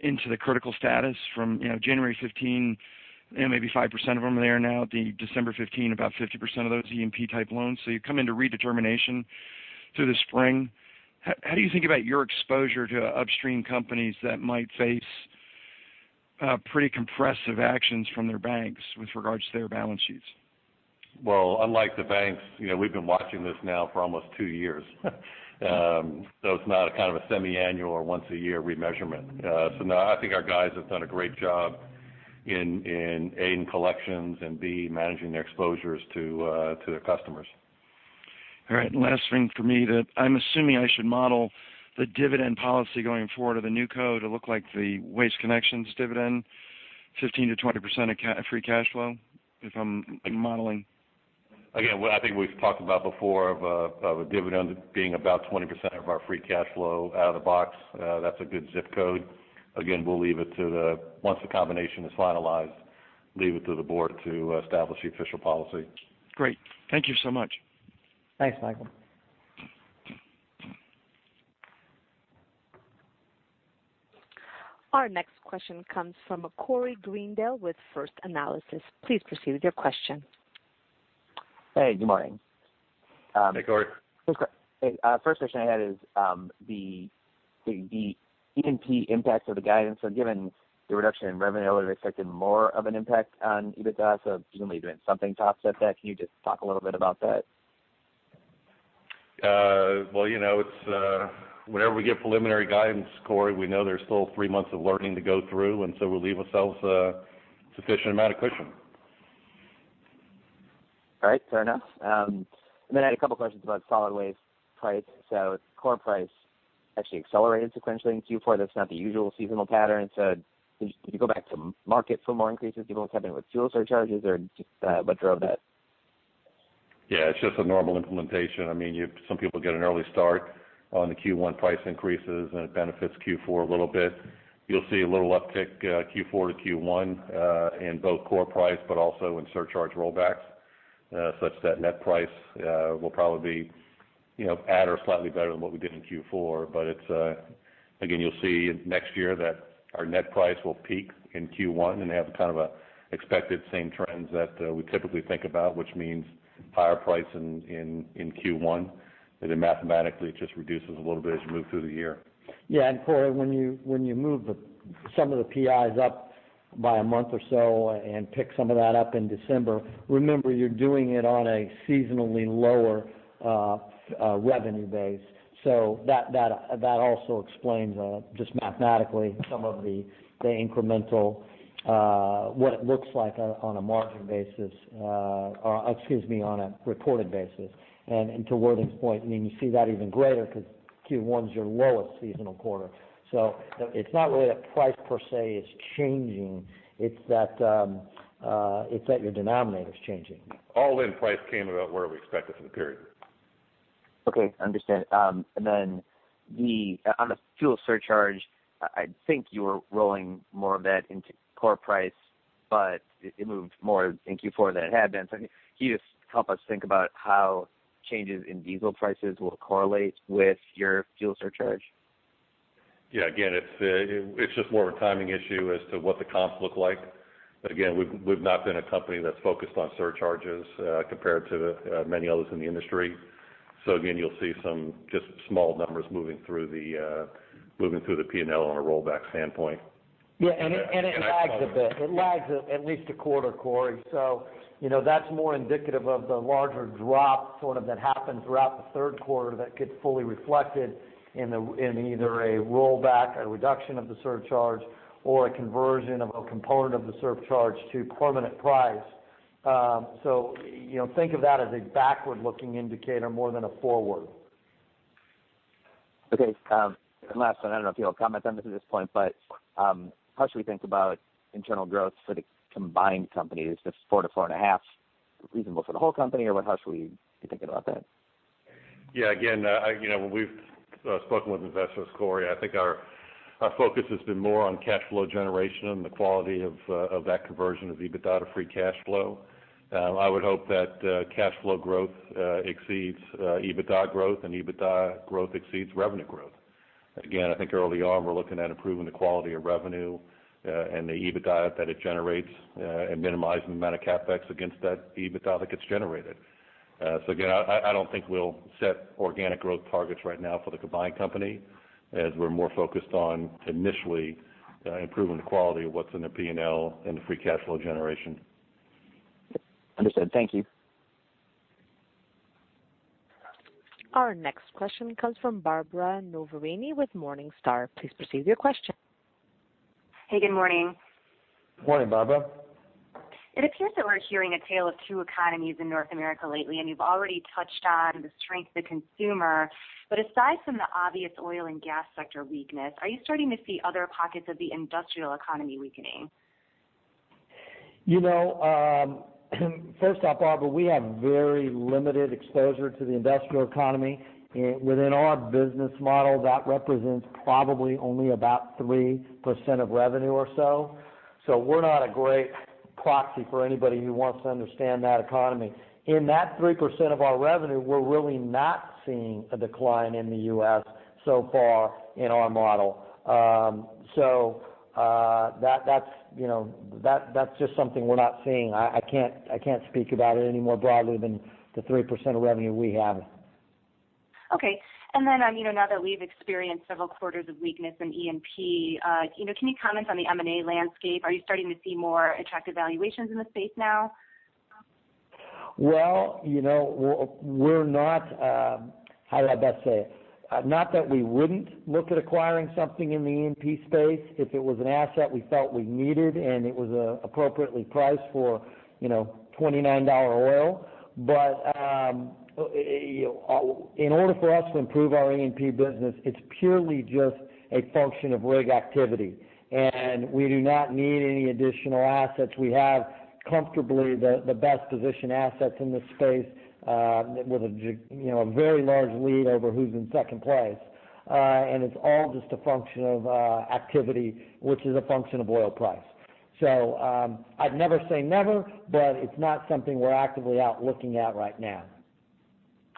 S7: into the critical status from January 15, maybe 5% of them are there now. The December 15, about 50% of those E&P type loans. You come into redetermination through the spring. How do you think about your exposure to upstream companies that might face pretty compressive actions from their banks with regards to their balance sheets?
S3: Well, unlike the banks, we have been watching this now for almost two years. It is not a kind of a semi-annual or once a year remeasurement. No, I think our guys have done a great job in, A, in collections, and B, managing their exposures to their customers.
S7: All right. Last thing for me, I am assuming I should model the dividend policy going forward of the new co to look like the Waste Connections dividend, 15%-20% of free cash flow, if I am modeling?
S3: What I think we've talked about before of a dividend being about 20% of our free cash flow out of the box, that's a good ZIP code. We'll leave it to the, once the combination is finalized, leave it to the board to establish the official policy.
S7: Great. Thank you so much.
S2: Thanks, Michael.
S1: Our next question comes from Corey Greendale with First Analysis. Please proceed with your question.
S8: Hey, good morning.
S3: Hey, Corey.
S8: First question I had is the E&P impact of the guidance. Given the reduction in revenue, I would have expected more of an impact on EBITDA. Presumably you're doing something to offset that. Can you just talk a little bit about that?
S3: Well, whenever we give preliminary guidance, Corey, we know there's still three months of learning to go through, and so we leave ourselves a sufficient amount of cushion.
S8: All right. Fair enough. I had a couple questions about solid waste price. Core price actually accelerated sequentially in Q4. That's not the usual seasonal pattern. Did you go back to market for more increases, given what's happened with fuel surcharges or just what drove that?
S3: It's just a normal implementation. Some people get an early start on the Q1 price increases, and it benefits Q4 a little bit. You'll see a little uptick Q4 to Q1, in both core price, but also in surcharge rollbacks, such that net price will probably be at or slightly better than what we did in Q4. You'll see next year that our net price will peak in Q1 and have kind of expected same trends that we typically think about, which means higher price in Q1, and mathematically it just reduces a little bit as you move through the year.
S2: Corey, when you move some of the PIs up by a month or so and pick some of that up in December, remember, you're doing it on a seasonally lower revenue base. That also explains, just mathematically, some of the incremental, what it looks like on a reported basis. To Worthing's point, you see that even greater because Q1 is your lowest seasonal quarter. It's not really that price per se is changing, it's that your denominator is changing.
S3: All-in price came about where we expected for the period.
S8: Okay, understood. On the fuel surcharge, I think you were rolling more of that into core price, but it moved more in Q4 than it had been. Can you just help us think about how changes in diesel prices will correlate with your fuel surcharge?
S3: Again, it's just more of a timing issue as to what the comps look like. Again, we've not been a company that's focused on surcharges, compared to many others in the industry. Again, you'll see some just small numbers moving through the P&L on a rollback standpoint.
S2: It lags a bit. It lags at least a quarter, Corey. That's more indicative of the larger drop sort of that happened throughout the third quarter that gets fully reflected in either a rollback, a reduction of the surcharge, or a conversion of a component of the surcharge to permanent price. Think of that as a backward-looking indicator more than a forward.
S8: Okay. Last one, I don't know if you'll comment on this at this point, how should we think about internal growth for the combined companies? Is 4%-4.5% reasonable for the whole company, or what else will you be thinking about that?
S3: Yeah. Again, when we've spoken with investors, Corey, I think our focus has been more on cash flow generation and the quality of that conversion of EBITDA to free cash flow. I would hope that cash flow growth exceeds EBITDA growth and EBITDA growth exceeds revenue growth. Again, I think early on, we're looking at improving the quality of revenue and the EBITDA that it generates and minimizing the amount of CapEx against that EBITDA that gets generated. Again, I don't think we'll set organic growth targets right now for the combined company, as we're more focused on initially improving the quality of what's in the P&L and the free cash flow generation.
S8: Understood. Thank you.
S1: Our next question comes from Barbara Noverini with Morningstar. Please proceed with your question.
S9: Hey, good morning.
S2: Morning, Barbara.
S9: It appears that we're hearing a tale of two economies in North America lately, you've already touched on the strength of the consumer. Aside from the obvious oil and gas sector weakness, are you starting to see other pockets of the industrial economy weakening?
S2: First off, Barbara, we have very limited exposure to the industrial economy. Within our business model, that represents probably only about 3% of revenue or so. We're not a great proxy for anybody who wants to understand that economy. In that 3% of our revenue, we're really not seeing a decline in the U.S. so far in our model. That's just something we're not seeing. I can't speak about it any more broadly than the 3% of revenue we have.
S9: Okay. Then, now that we've experienced several quarters of weakness in E&P, can you comment on the M&A landscape? Are you starting to see more attractive valuations in the space now?
S2: We're not How do I best say it? Not that we wouldn't look at acquiring something in the E&P space if it was an asset we felt we needed and it was appropriately priced for $29 oil. In order for us to improve our E&P business, it's purely just a function of rig activity. We do not need any additional assets. We have comfortably the best position assets in this space, with a very large lead over who's in second place. It's all just a function of activity, which is a function of oil price. I'd never say never, but it's not something we're actively out looking at right now.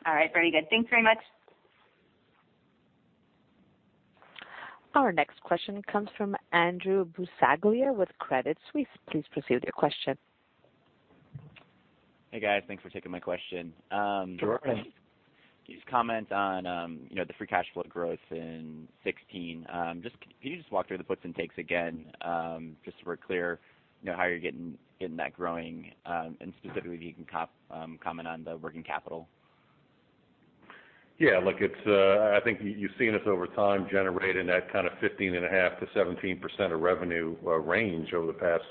S9: All right. Very good. Thanks very much.
S1: Our next question comes from Andrew Buscaglia with Credit Suisse. Please proceed with your question.
S10: Hey, guys. Thanks for taking my question.
S3: Sure.
S10: Can you just comment on the free cash flow growth in 2016. Can you just walk through the puts and takes again, just so we're clear how you're getting that growing, and specifically if you can comment on the working capital?
S3: Yeah. Look, I think you've seen us over time generating that kind of 15.5%-17% of revenue range over the past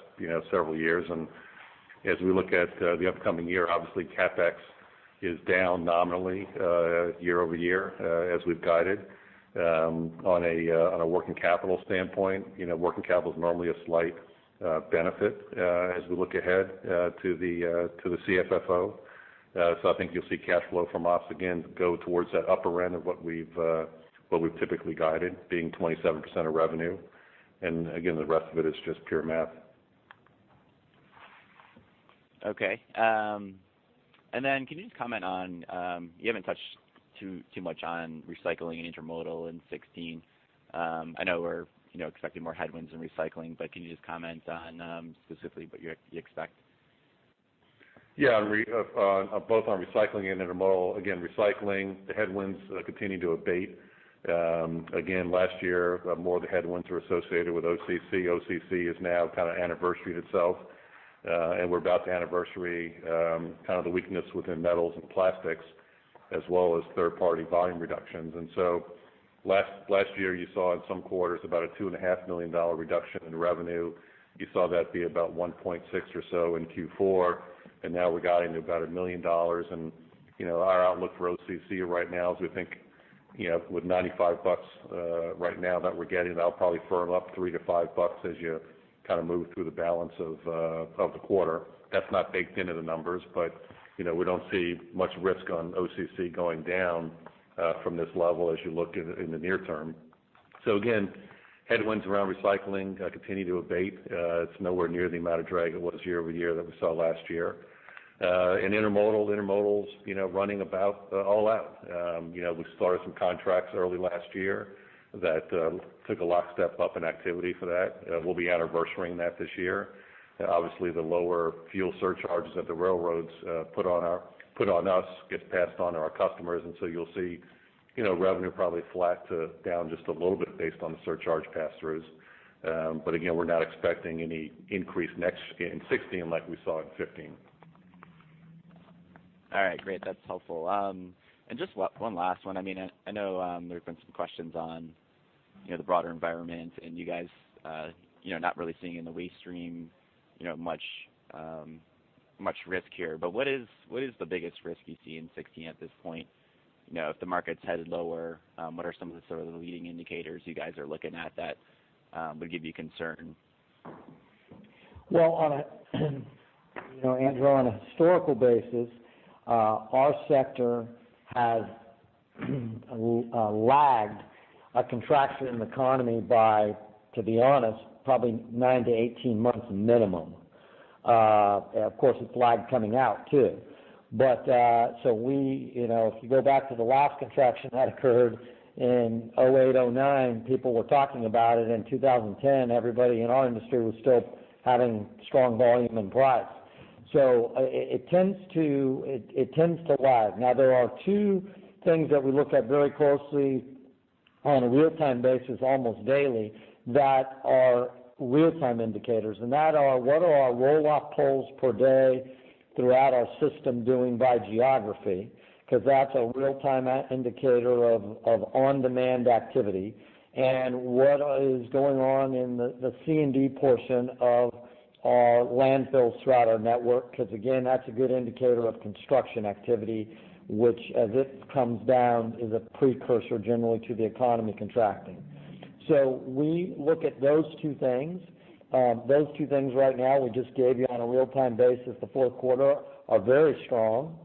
S3: several years. As we look at the upcoming year, obviously CapEx is down nominally year-over-year as we've guided. On a working capital standpoint, working capital is normally a slight benefit as we look ahead to the CFFO. I think you'll see cash flow from ops again go towards that upper end of what we've typically guided, being 27% of revenue. Again, the rest of it is just pure math.
S10: Okay. Can you just comment on, you haven't touched too much on recycling and intermodal in 2016. I know we're expecting more headwinds in recycling, can you just comment on specifically what you expect?
S3: Yeah. Both on recycling and intermodal, again, recycling, the headwinds continue to abate. Again, last year, more of the headwinds were associated with OCC. OCC has now kind of anniversaried itself. We're about to anniversary kind of the weakness within metals and plastics, as well as third-party volume reductions. Last year, you saw in some quarters about a $2.5 million reduction in revenue. You saw that be about $1.6 million or so in Q4, and now we're guiding to about $1 million. Our outlook for OCC right now is we think with $95 right now that we're getting, that'll probably firm up $3-$5 as you kind of move through the balance of the quarter. That's not baked into the numbers, we don't see much risk on OCC going down from this level as you look in the near term. Again, headwinds around recycling continue to abate. It's nowhere near the amount of drag it was year-over-year that we saw last year. In intermodal's running about all out. We started some contracts early last year that took a large step up in activity for that. We'll be anniversarying that this year. Obviously, the lower fuel surcharges that the railroads put on us gets passed on to our customers, and so you'll see revenue probably flat to down just a little bit based on the surcharge pass-throughs. Again, we're not expecting any increase in 2016 like we saw in 2015.
S10: All right, great. That's helpful. Just one last one. I know there have been some questions on the broader environment and you guys not really seeing in the waste stream much risk here. What is the biggest risk you see in 2016 at this point? If the market's headed lower, what are some of the sort of the leading indicators you guys are looking at that would give you concern?
S3: Well, Andrew, on a historical basis, our sector has lagged a contraction in the economy by, to be honest, probably nine to 18 months minimum. Of course, it's lagged coming out, too. If you go back to the last contraction that occurred in 2008, 2009, people were talking about it in 2010. Everybody in our industry was still having strong volume and price. It tends to lag. Now, there are two things that we look at very closely on a real-time basis, almost daily, that are real-time indicators. That are what are our roll-off pulls per day throughout our system doing by geography, because that's a real-time indicator of on-demand activity, and what is going on in the C&D portion of our landfills throughout our network. Because again, that's a good indicator of construction activity, which as this comes down, is a precursor generally to the economy contracting. We look at those two things. Those two things right now we just gave you on a real-time basis, the fourth quarter, are very strong.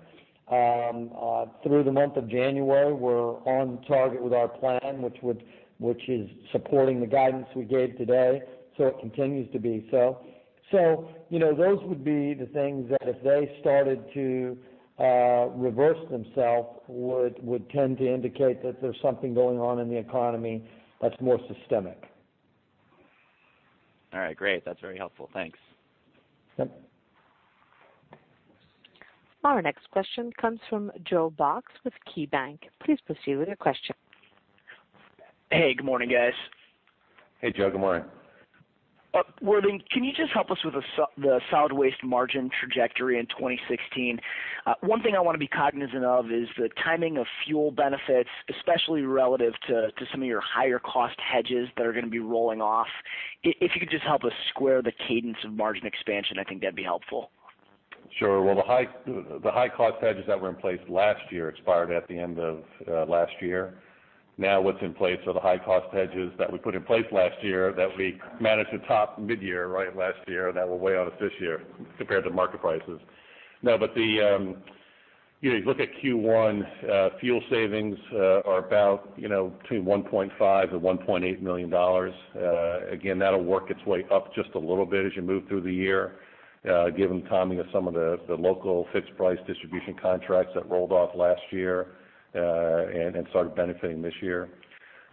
S3: Through the month of January, we're on target with our plan, which is supporting the guidance we gave today. It continues to be so. Those would be the things that if they started to reverse themselves, would tend to indicate that there's something going on in the economy that's more systemic.
S10: All right, great. That's very helpful. Thanks.
S3: Yep.
S1: Our next question comes from Joe Box with KeyBanc. Please proceed with your question.
S11: Hey, good morning, guys.
S3: Hey, Joe. Good morning.
S11: Worthing, can you just help us with the solid waste margin trajectory in 2016? One thing I want to be cognizant of is the timing of fuel benefits, especially relative to some of your higher cost hedges that are going to be rolling off. If you could just help us square the cadence of margin expansion, I think that'd be helpful.
S3: Sure. Well, the high cost hedges that were in place last year expired at the end of last year. Now what's in place are the high cost hedges that we put in place last year that we managed to top mid-year, right at last year, that will weigh on us this year compared to market prices. Now, if you look at Q1, fuel savings are about between $1.5 million and $1.8 million. Again, that'll work its way up just a little bit as you move through the year given timing of some of the local fixed price distribution contracts that rolled off last year and started benefiting this year.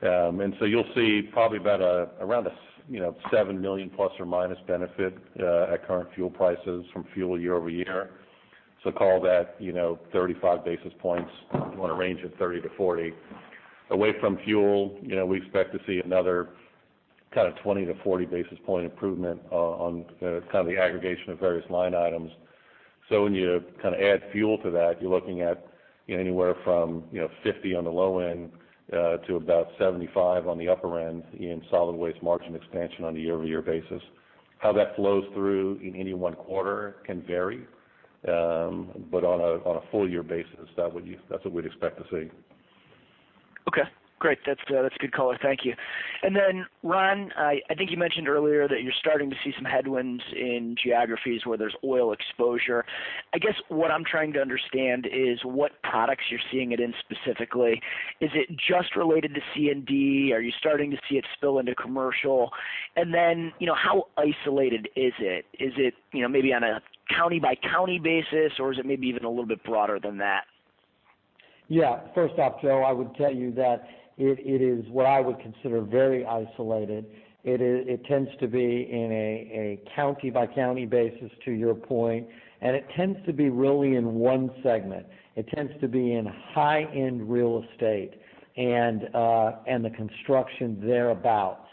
S3: You'll see probably about around a $7 million plus or minus benefit at current fuel prices from fuel year-over-year. So call that 35 basis points on a range of 30 to 40. Away from fuel, we expect to see another 20 to 40 basis point improvement on the aggregation of various line items. When you add fuel to that, you're looking at anywhere from 50 basis points on the low end to about 75 basis points on the upper end in solid waste margin expansion on a year-over-year basis. How that flows through in any one quarter can vary. On a full year basis, that's what we'd expect to see.
S11: Okay, great. That's good color. Thank you. Ron, I think you mentioned earlier that you're starting to see some headwinds in geographies where there's oil exposure. I guess what I'm trying to understand is what products you're seeing it in specifically. Is it just related to C&D? Are you starting to see it spill into commercial? How isolated is it? Is it maybe on a county-by-county basis, or is it maybe even a little bit broader than that?
S2: Yeah. First off, Joe, I would tell you that it is what I would consider very isolated. It tends to be in a county-by-county basis, to your point, and it tends to be really in one segment. It tends to be in high-end real estate and the construction thereabout.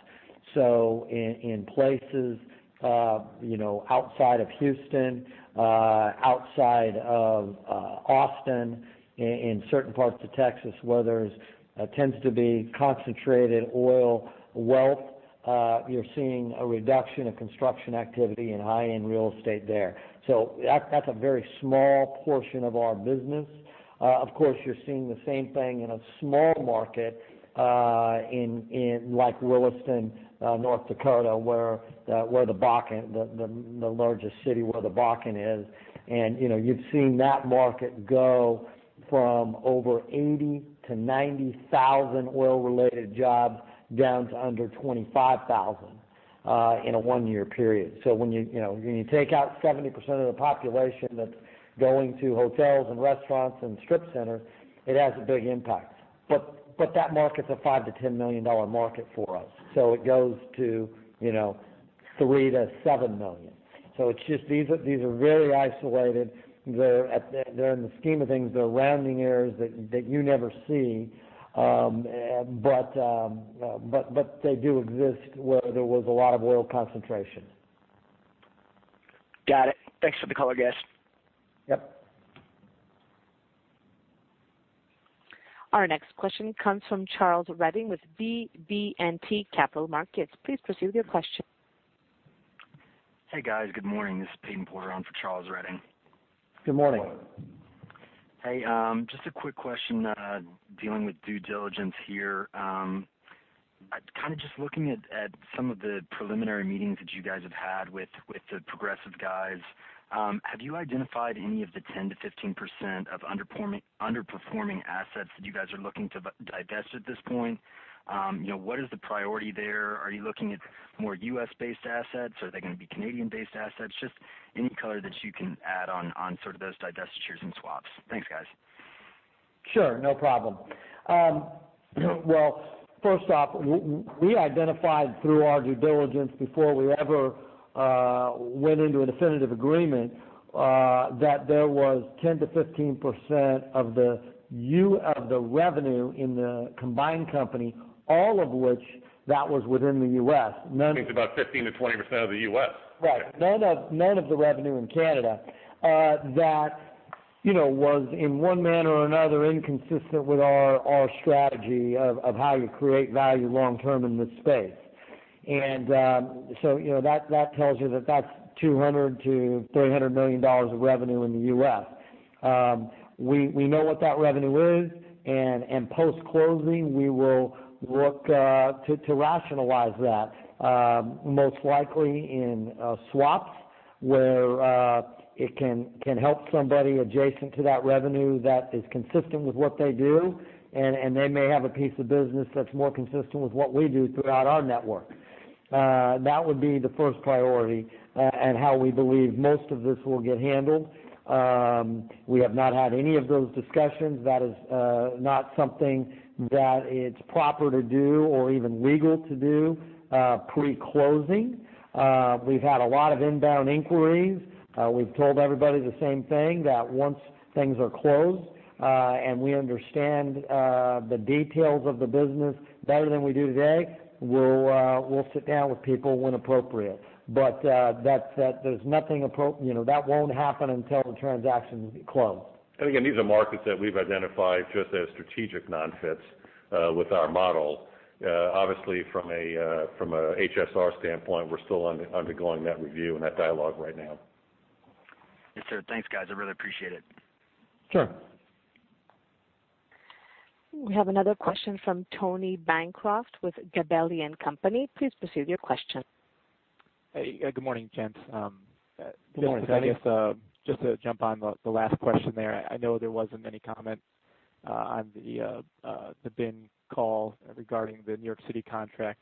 S2: In places outside of Houston, outside of Austin, in certain parts of Texas, where there tends to be concentrated oil wealth, you're seeing a reduction of construction activity in high-end real estate there. That's a very small portion of our business. Of course, you're seeing the same thing in a small market, in like Williston, North Dakota, the largest city where the Bakken is. You've seen that market go from over 80,000 to 90,000 oil related jobs down to under 25,000 in a 1 year period. When you take out 70% of the population that's going to hotels and restaurants and strip centers, it has a big impact. That market's a $5 million to $10 million market for us. It goes to $3 million to $7 million. These are very isolated. They're in the scheme of things, they're rounding errors that you never see. They do exist where there was a lot of oil concentration.
S11: Got it. Thanks for the color, guys.
S2: Yep.
S1: Our next question comes from Charles Redding with BB&T Capital Markets. Please proceed with your question.
S12: Hey, guys. Good morning. This is Payne Porter on for Charles Redding.
S2: Good morning.
S12: Hey, just a quick question, dealing with due diligence here. Kind of just looking at some of the preliminary meetings that you guys have had with the Progressive guys. Have you identified any of the 10%-15% of underperforming assets that you guys are looking to divest at this point? What is the priority there? Are you looking at more U.S.-based assets, or are they going to be Canadian-based assets? Just any color that you can add on sort of those divestitures and swaps. Thanks, guys.
S2: Sure. No problem. Well, first off, we identified through our due diligence before we ever went into a definitive agreement, that there was 10%-15% of the revenue in the combined company, all of which that was within the U.S.
S3: You think about 15%-20% of the U.S.?
S2: Right. None of the revenue in Canada. That was in one manner or another inconsistent with our strategy of how you create value long term in this space. That tells you that's $200 million-$300 million of revenue in the U.S. We know what that revenue is. Post-closing, we will look to rationalize that. Most likely in swaps where it can help somebody adjacent to that revenue that is consistent with what they do, and they may have a piece of business that's more consistent with what we do throughout our network. That would be the first priority. How we believe most of this will get handled. We have not had any of those discussions. That is not something that it's proper to do or even legal to do pre-closing. We've had a lot of inbound inquiries. We've told everybody the same thing, that once things are closed and we understand the details of the business better than we do today, we'll sit down with people when appropriate. That won't happen until the transaction is closed.
S3: Again, these are markets that we've identified just as strategic non-fits with our model. Obviously, from a HSR standpoint, we're still undergoing that review and that dialogue right now.
S12: Yes, sir. Thanks, guys. I really appreciate it.
S2: Sure.
S1: We have another question from Tony Bancroft with Gabelli & Company. Please proceed with your question.
S13: Hey, good morning, gents.
S2: Good morning.
S13: I guess, just to jump on the last question there. I know there wasn't any comment on the BIN call regarding the New York City contract.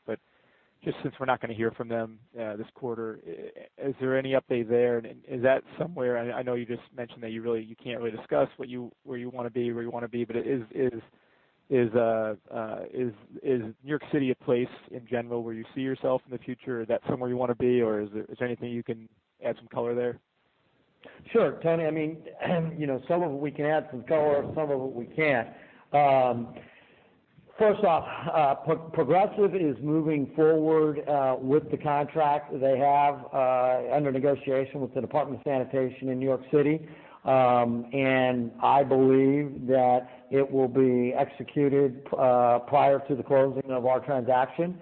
S13: Just since we're not going to hear from them this quarter, is there any update there? Is that somewhere, I know you just mentioned that you can't really discuss where you want to be, is New York City a place in general where you see yourself in the future? Is that somewhere you want to be, or is there anything you can add some color there?
S2: Sure, Tony. Some of it we can add some color, some of it we can't. First off, Progressive is moving forward with the contract they have under negotiation with the Department of Sanitation in New York City. I believe that it will be executed prior to the closing of our transaction.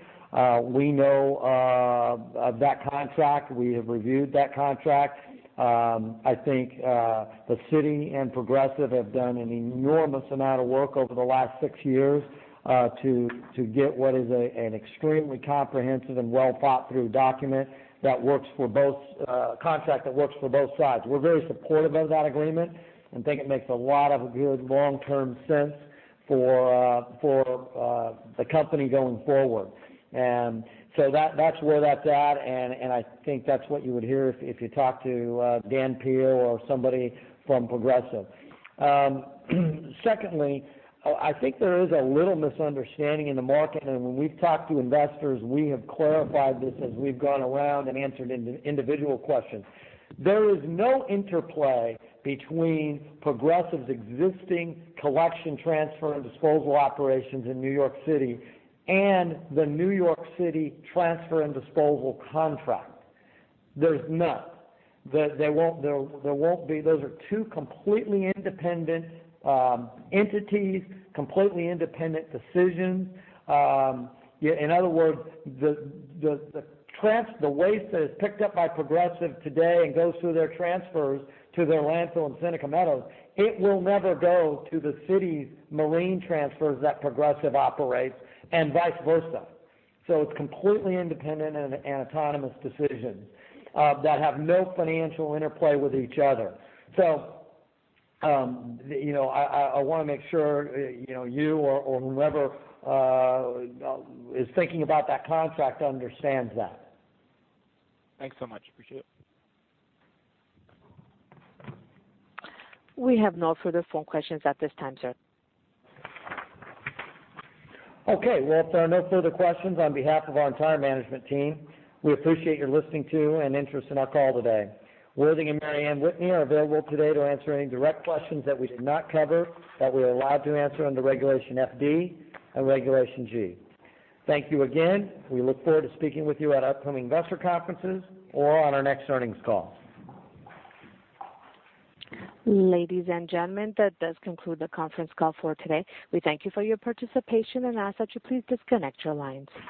S2: We know of that contract. We have reviewed that contract. I think the city and Progressive have done an enormous amount of work over the last six years to get what is an extremely comprehensive and well-thought-through contract that works for both sides. We're very supportive of that agreement and think it makes a lot of good long-term sense for the company going forward. That's where that's at, and I think that's what you would hear if you talk to Dan Pio or somebody from Progressive. Secondly, I think there is a little misunderstanding in the market. When we've talked to investors, we have clarified this as we've gone around and answered individual questions. There is no interplay between Progressive's existing collection, transfer, and disposal operations in New York City and the New York City transfer and disposal contract. There's none. Those are two completely independent entities, completely independent decisions. In other words, the waste that is picked up by Progressive today and goes through their transfers to their landfill in Seneca Meadows, it will never go to the city's marine transfers that Progressive operates, and vice versa. It's completely independent and autonomous decisions that have no financial interplay with each other. I want to make sure you or whomever is thinking about that contract understands that.
S13: Thanks so much. Appreciate it.
S1: We have no further phone questions at this time, sir.
S2: Okay. Well, if there are no further questions, on behalf of our entire management team, we appreciate your listening to and interest in our call today. Worthing and Mary Anne Whitney are available today to answer any direct questions that we did not cover that we are allowed to answer under Regulation FD and Regulation G. Thank you again. We look forward to speaking with you at upcoming investor conferences or on our next earnings call.
S1: Ladies and gentlemen, that does conclude the conference call for today. We thank you for your participation and ask that you please disconnect your lines.